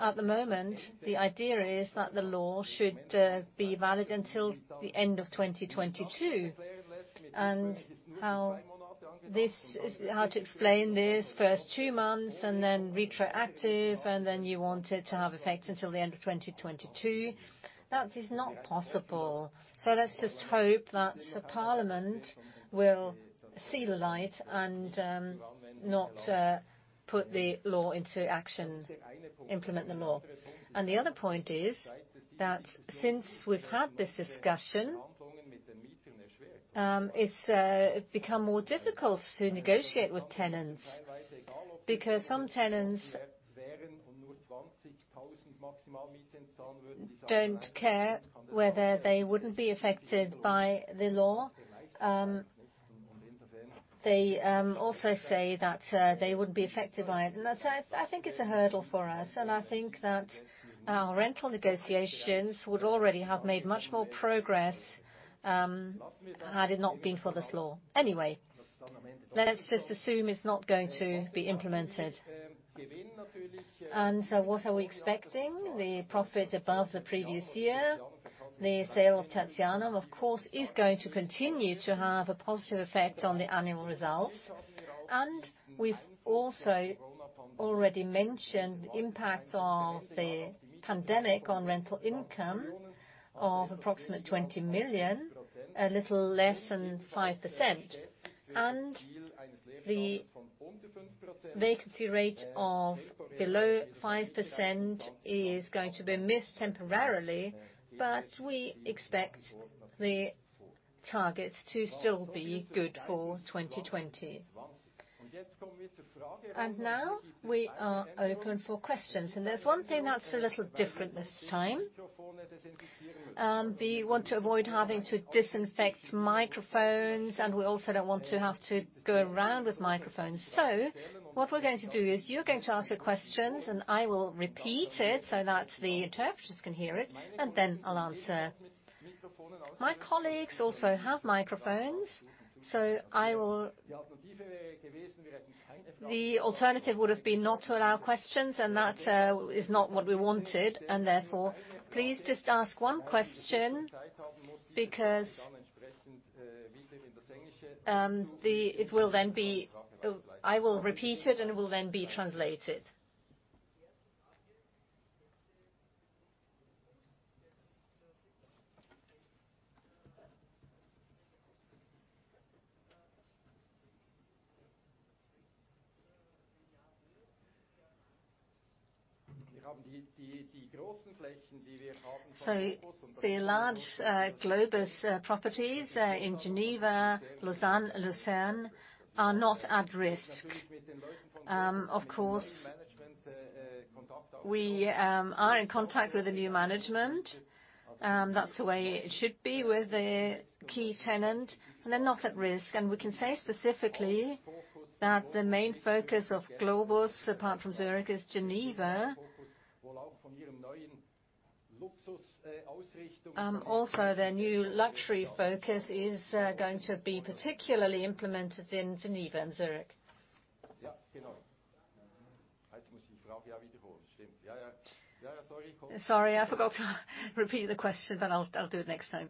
at the moment, the idea is that the law should be valid until the end of 2022. How to explain this, first two months, then retroactive, then you want it to have effect until the end of 2022. That is not possible. Let's just hope that the parliament will see the light and not put the law into action, implement the law. The other point is that since we've had this discussion, it's become more difficult to negotiate with tenants, because some tenants don't care whether they wouldn't be affected by the law. They also say that they would be affected by it. I think it's a hurdle for us, I think that our rental negotiations would already have made much more progress had it not been for this law. Let's just assume it's not going to be implemented. What are we expecting? The profit above the previous year. The sale of Tertianum, of course, is going to continue to have a positive effect on the annual results. We've also already mentioned impact of the pandemic on rental income of approximately 20 million, a little less than 5%. The vacancy rate of below 5% is going to be missed temporarily, but we expect the targets to still be good for 2020. Now we are open for questions. There's one thing that's a little different this time. We want to avoid having to disinfect microphones, and we also don't want to have to go around with microphones. What we're going to do is you're going to ask the questions, and I will repeat it so that the interpreters can hear it, and then I'll answer. My colleagues also have microphones, so the alternative would have been not to allow questions, and that is not what we wanted, and therefore, please just ask one question because I will repeat it and it will then be translated. The large Globus properties in Geneva, Lausanne, and Lucerne are not at risk. Of course, we are in contact with the new management. That's the way it should be with a key tenant, and they're not at risk. We can say specifically that the main focus of Globus, apart from Zurich, is Geneva. Their new luxury focus is going to be particularly implemented in Geneva and Zurich. Sorry, I forgot to repeat the question, but I'll do it next time.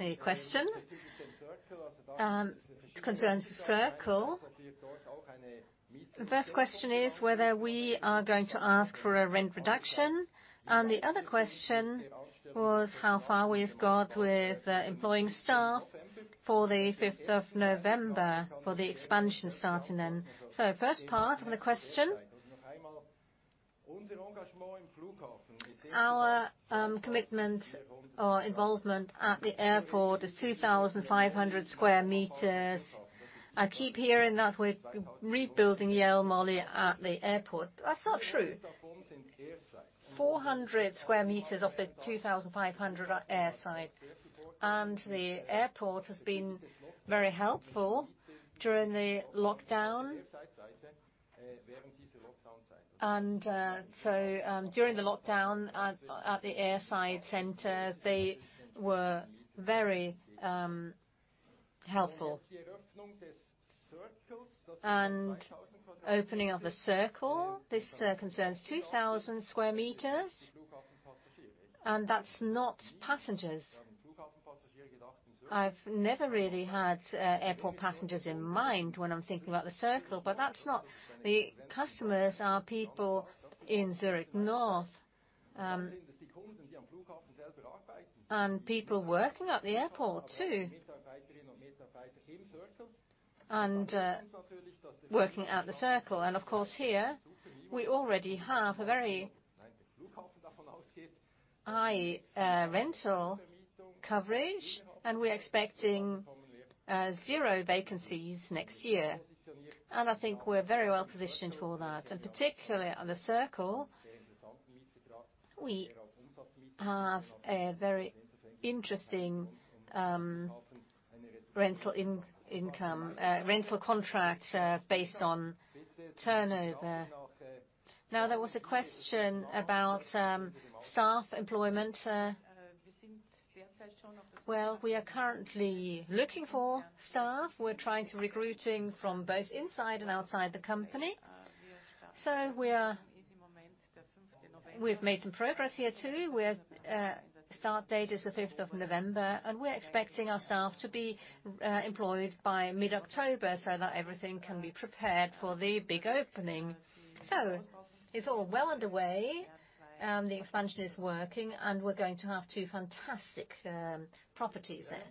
A question concerns Circle. The first question is whether we are going to ask for a rent reduction, and the other question was how far we've got with employing staff for the 5th of November for the expansion starting then. First part of the question. Our commitment or involvement at the airport is 2,500 sq m. I keep hearing that we're rebuilding Jelmoli at the airport, but that's not true. 400 sq m of the 2,500 are airside, and the airport has been very helpful during the lockdown. During the lockdown, at the airside center, they were very helpful. Opening of the Circle, this concerns 2,000 sq m, and that's not passengers. I've never really had airport passengers in mind when I'm thinking about The Circle. The customers are people in Zurich North and people working at the airport, too, and working at The Circle. Of course, here, we already have a very high rental coverage, and we're expecting zero vacancies next year. I think we're very well-positioned for that. Particularly on The Circle, we have a very interesting rental contract based on turnover. Now, there was a question about staff employment. Well, we are currently looking for staff. We're trying to recruiting from both inside and outside the company. We've made some progress here, too. Start date is the 5th of November, and we're expecting our staff to be employed by mid-October so that everything can be prepared for the big opening. It's all well underway. The expansion is working, we're going to have two fantastic properties there.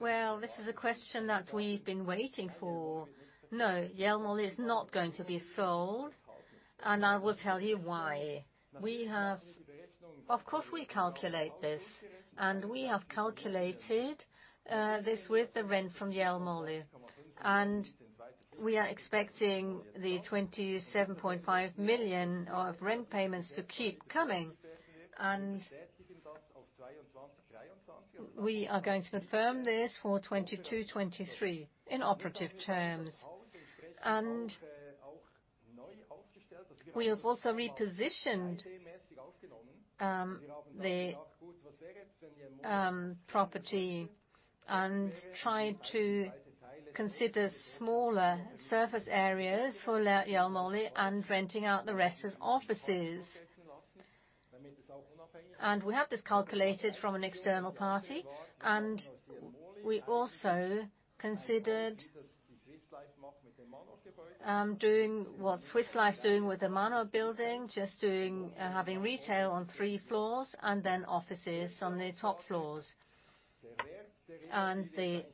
Well, this is a question that we've been waiting for. No, Jelmoli is not going to be sold, I will tell you why. Of course, we calculate this, we have calculated this with the rent from Jelmoli, we are expecting the 27.5 million of rent payments to keep coming. We are going to confirm this for 2022, 2023 in operative terms. We have also repositioned the property and tried to consider smaller surface areas for Jelmoli and renting out the rest as offices. We have this calculated from an external party, we also considered doing what Swiss Life's doing with the Manor building, just having retail on three floors and then offices on the top floors. The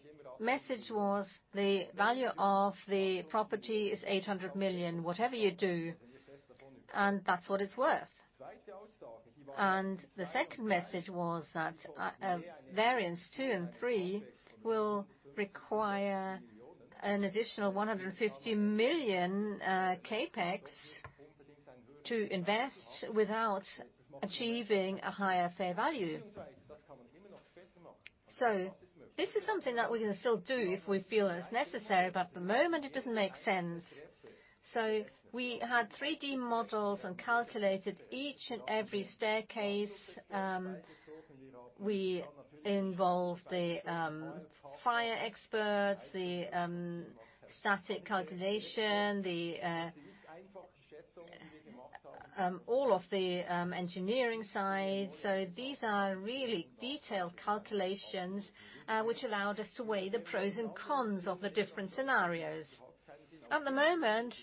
message was the value of the property is 800 million, whatever you do, and that's what it's worth. The second message was that variance two and three will require an additional 150 million CapEx to invest without achieving a higher fair value. This is something that we can still do if we feel it's necessary, but at the moment, it doesn't make sense. We had 3D models and calculated each and every staircase. We involved the fire experts, the static calculation, all of the engineering side. These are really detailed calculations, which allowed us to weigh the pros and cons of the different scenarios. At the moment,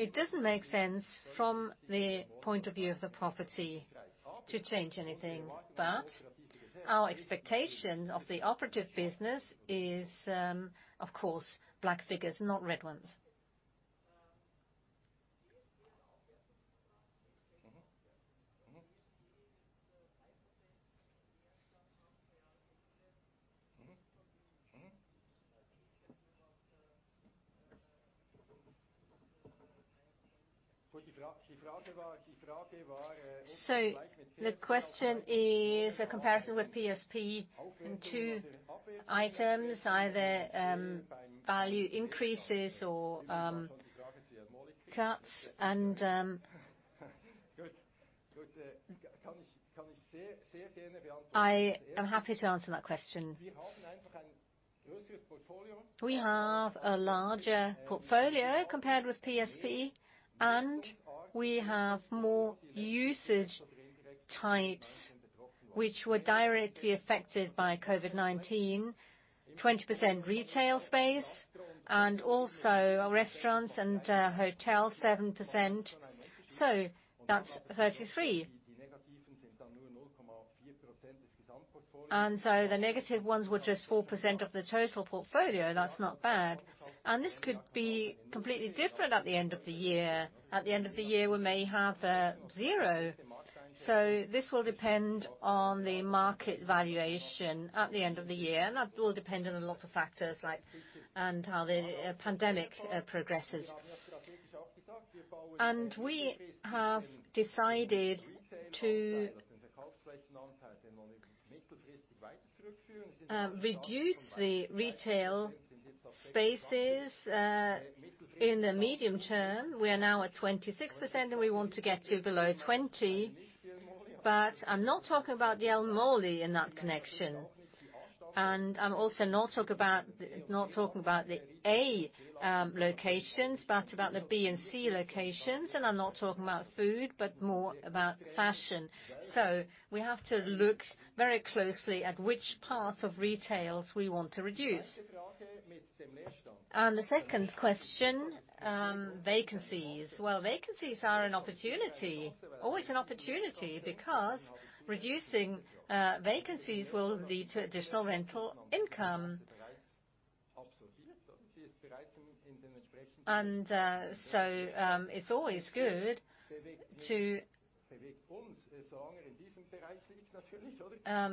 it doesn't make sense from the point of view of the property to change anything. Our expectation of the operative business is, of course, black figures, not red ones. The question is a comparison with PSP in two items, value increases. I am happy to answer that question. We have a larger portfolio compared with PSP, and we have more usage types which were directly affected by COVID-19, 20% retail space, and also restaurants and hotels, 7%. That's 33. The negative ones were just 4% of the total portfolio. That's not bad. This could be completely different at the end of the year. At the end of the year, we may have zero. This will depend on the market valuation at the end of the year, and that will depend on a lot of factors, and how the pandemic progresses. We have decided to reduce the retail spaces in the medium term. We are now at 26%, and we want to get to below 20. I'm not talking about the Jelmoli in that connection. I'm also not talking about the A locations, but about the B and C locations, and I'm not talking about food, but more about fashion. We have to look very closely at which parts of retail we want to reduce. On the second question, vacancies. Well, vacancies are always an opportunity because reducing vacancies will lead to additional rental income.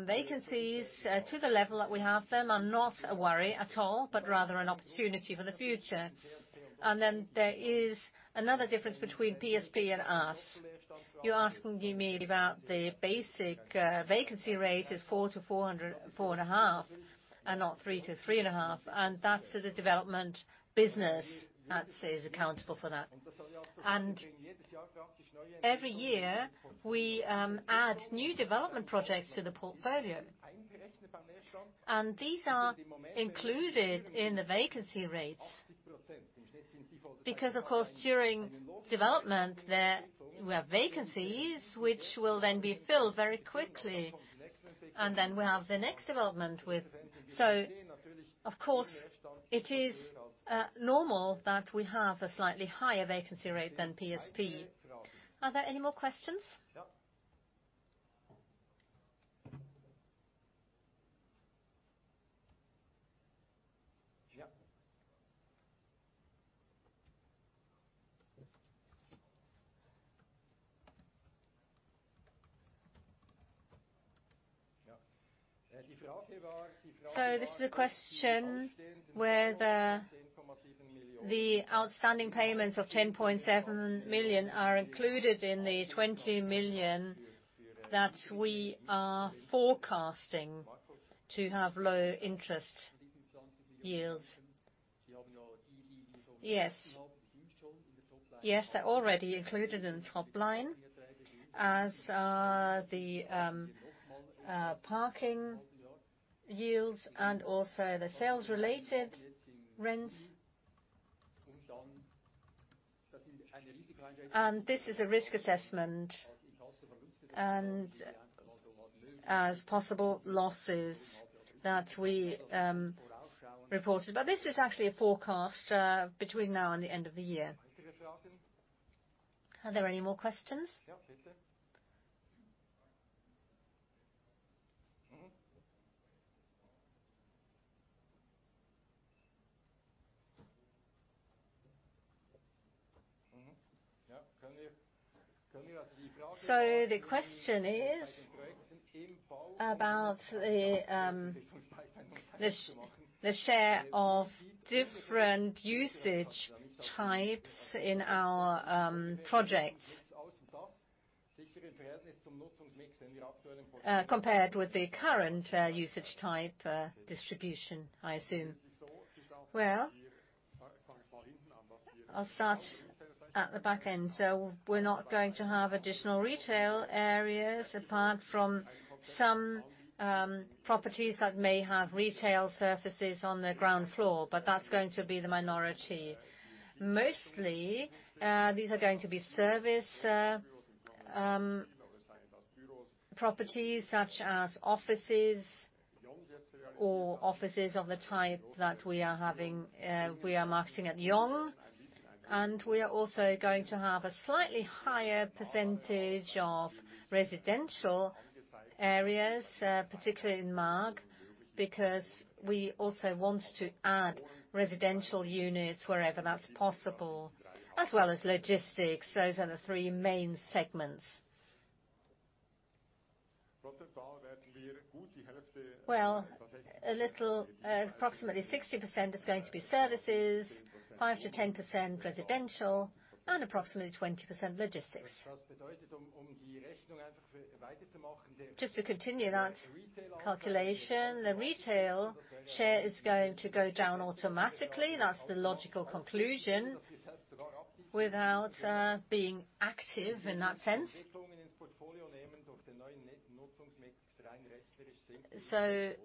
Vacancies to the level that we have them are not a worry at all, but rather an opportunity for the future. There is another difference between PSP and us. You're asking me about the basic vacancy rate is 4%-4.5%, and not 3%-3.5%. That's the development business that is accountable for that. Every year, we add new development projects to the portfolio. These are included in the vacancy rates because, of course, during development, there were vacancies which will then be filled very quickly, and then we have the next development. Of course, it is normal that we have a slightly higher vacancy rate than PSP. Are there any more questions? This is a question where the outstanding payments of 10.7 million are included in the 20 million that we are forecasting to have low interest yields. Yes. They're already included in top line, as are the parking yields and also the sales-related rents. This is a risk assessment as possible losses that we reported. This is actually a forecast between now and the end of the year. Are there any more questions? Yeah, please. The question is about the share of different usage types in our projects compared with the current usage type distribution, I assume. I'll start at the back end. We're not going to have additional retail areas apart from some properties that may have retail surfaces on the ground floor, but that's going to be the minority. Mostly, these are going to be service properties such as offices or offices of the type that we are marketing at Yond. We are also going to have a slightly higher percentage of residential areas, particularly in Maag, because we also want to add residential units wherever that's possible, as well as logistics. Those are the three main segments. Approximately 60% is going to be services, 5%-10% residential, and approximately 20% logistics. Just to continue that calculation, the retail share is going to go down automatically. That's the logical conclusion without being active in that sense.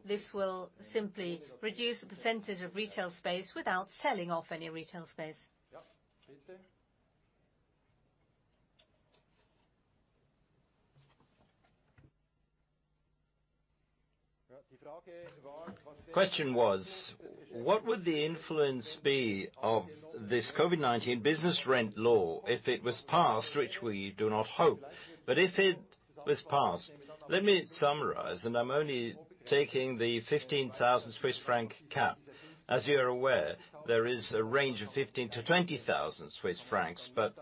This will simply reduce the percentage of retail space without selling off any retail space. Question was, what would the influence be of this COVID-19 business rent law if it was passed, which we do not hope. If it was passed, let me summarize, and I'm only taking the 15,000 Swiss franc cap. As you are aware, there is a range of 15,000 to 20,000 Swiss francs, but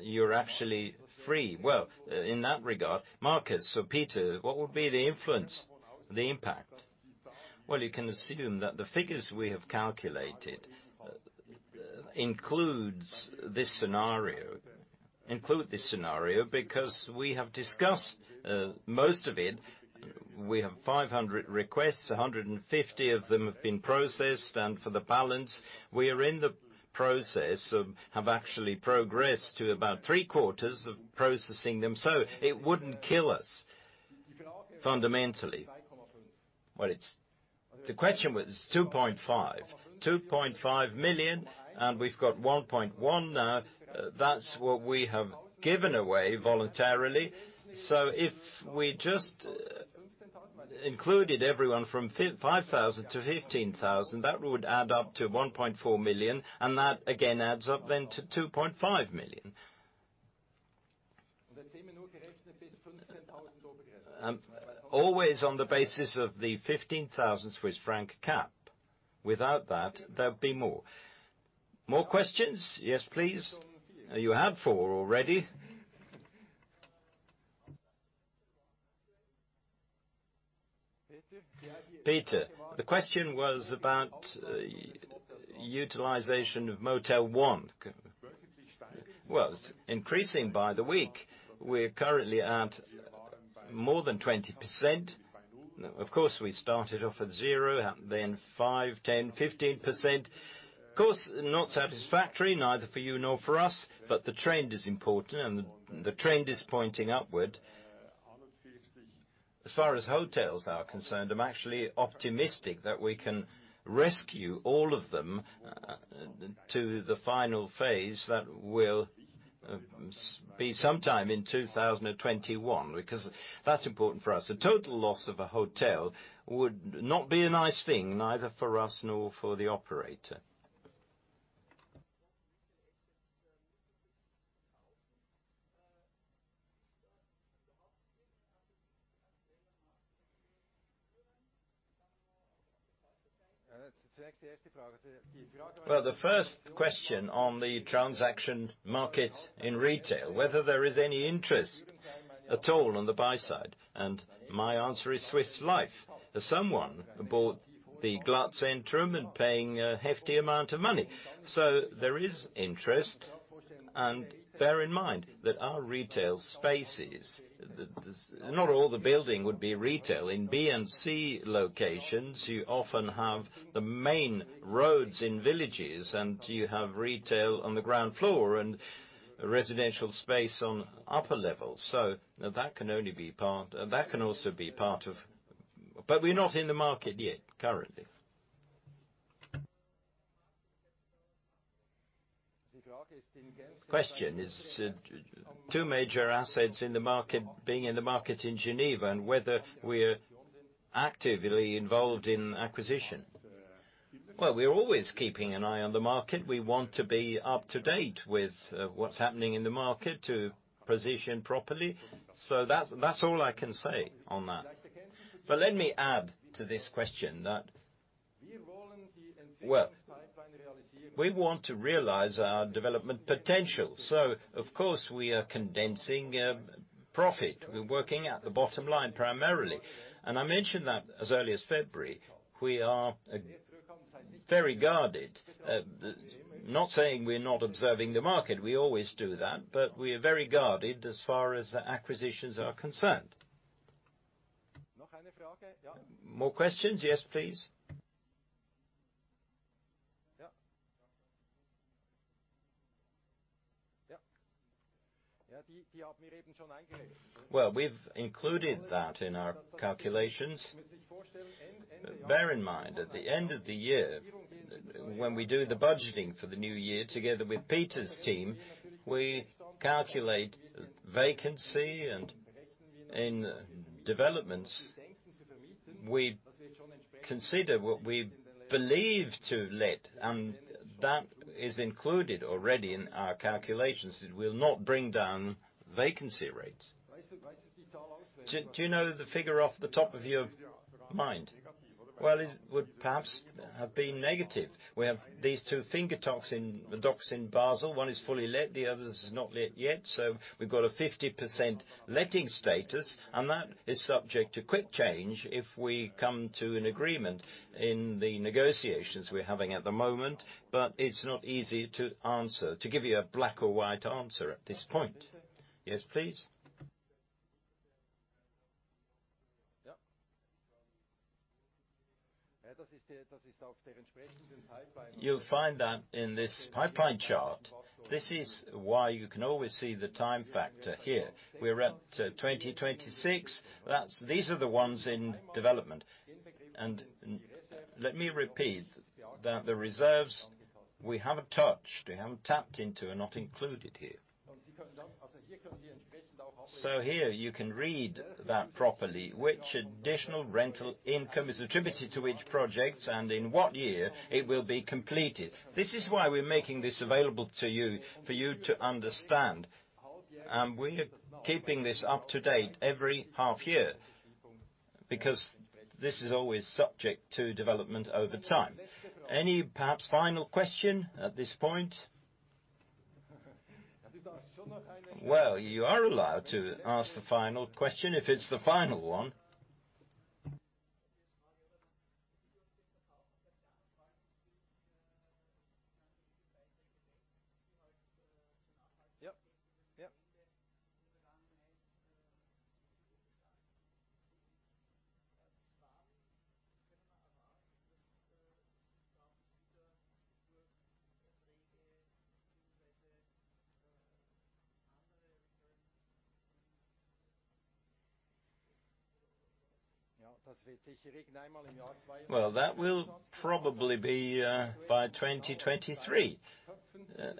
you're actually free. In that regard, Markus or Peter, what would be the influence, the impact? You can assume that the figures we have calculated include this scenario, because we have discussed most of it. We have 500 requests, 150 of them have been processed, and for the balance, we are in the process of have actually progressed to about three quarters of processing them. It wouldn't kill us fundamentally. The question was 2.5 million. 2.5 million, and we've got 1.1 million now. That's what we have given away voluntarily. If we just included everyone from 5,000 to 15,000, that would add up to 1.4 million, that again adds up to 2.5 million. Always on the basis of the 15,000 Swiss franc cap. Without that, there'd be more. More questions? Yes, please. You had four already. Peter, the question was about utilization of Motel One. It's increasing by the week. We're currently at more than 20%. We started off at zero then five, 10, 15%. Not satisfactory, neither for you nor for us, the trend is important and the trend is pointing upward. As far as hotels are concerned, I'm actually optimistic that we can rescue all of them to the final phase that will be sometime in 2021, because that's important for us. A total loss of a hotel would not be a nice thing, neither for us nor for the operator. The first question on the transaction market in retail, whether there is any interest at all on the buy side, and my answer is Swiss Life. Someone bought the Glattzentrum, and paying a hefty amount of money. There is interest. Bear in mind that our retail spaces, not all the building would be retail. In B and C locations, you often have the main roads in villages and you have retail on the ground floor and residential space on upper levels. That can also be part. We're not in the market yet currently. Question is two major assets in the market, being in the market in Geneva and whether we're actively involved in acquisition? We're always keeping an eye on the market. We want to be up to date with what's happening in the market to position properly. That's all I can say on that. Let me add to this question that, well, we want to realize our development potential. Of course we are condensing profit. We're working at the bottom line primarily. I mentioned that as early as February. We are very guarded. Not saying we're not observing the market. We always do that. We are very guarded as far as acquisitions are concerned. More questions? Yes, please. Well, we've included that in our calculations. Bear in mind, at the end of the year, when we do the budgeting for the new year together with Peter's team, we calculate vacancy and in developments, we consider what we believe to let, and that is included already in our calculations. It will not bring down vacancy rates. Do you know the figure off the top of your mind? It would perhaps have been negative. We have these two Finger Docks in Basel. One is fully let, the other is not let yet. We've got a 50% letting status, and that is subject to quick change if we come to an agreement in the negotiations we're having at the moment. It's not easy to give you a black or white answer at this point. Yes, please. You'll find that in this pipeline chart. This is why you can always see the time factor here. We're at 2026. These are the ones in development. Let me repeat that the reserves we haven't touched, we haven't tapped into, are not included here. Here you can read that properly, which additional rental income is attributed to which projects, and in what year it will be completed. This is why we're making this available to you, for you to understand. We are keeping this up to date every half year, because this is always subject to development over time. Any perhaps final question at this point? You are allowed to ask the final question if it's the final one. That will probably be by 2023,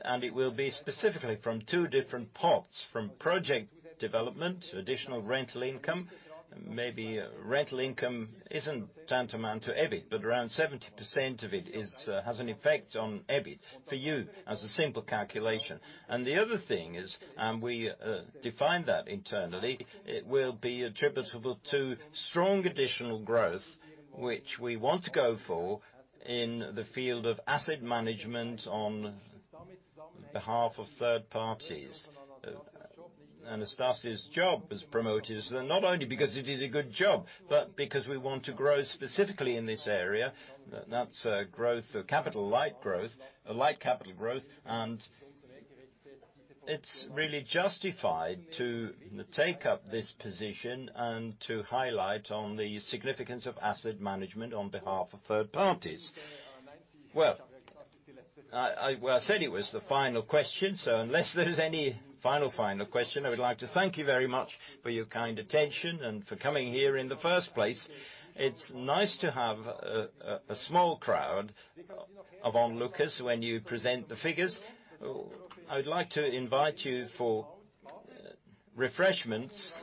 and it will be specifically from two different pots, from project development, additional rental income. Maybe rental income isn't tantamount to EBIT, but around 70% of it has an effect on EBIT for you as a simple calculation. The other thing is, and we define that internally, it will be attributable to strong additional growth, which we want to go for in the field of asset management on behalf of third parties. Anastasius' job as promoter is not only because it is a good job, but because we want to grow specifically in this area. That's a light capital growth, and it's really justified to take up this position and to highlight on the significance of asset management on behalf of third parties. I said it was the final question, so unless there is any final question, I would like to thank you very much for your kind attention and for coming here in the first place. It's nice to have a small crowd of onlookers when you present the figures. I would like to invite you for refreshments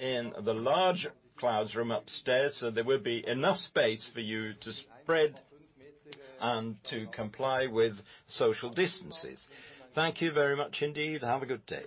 in the large Clouds room upstairs, so there will be enough space for you to spread and to comply with social distances. Thank you very much indeed. Have a good day.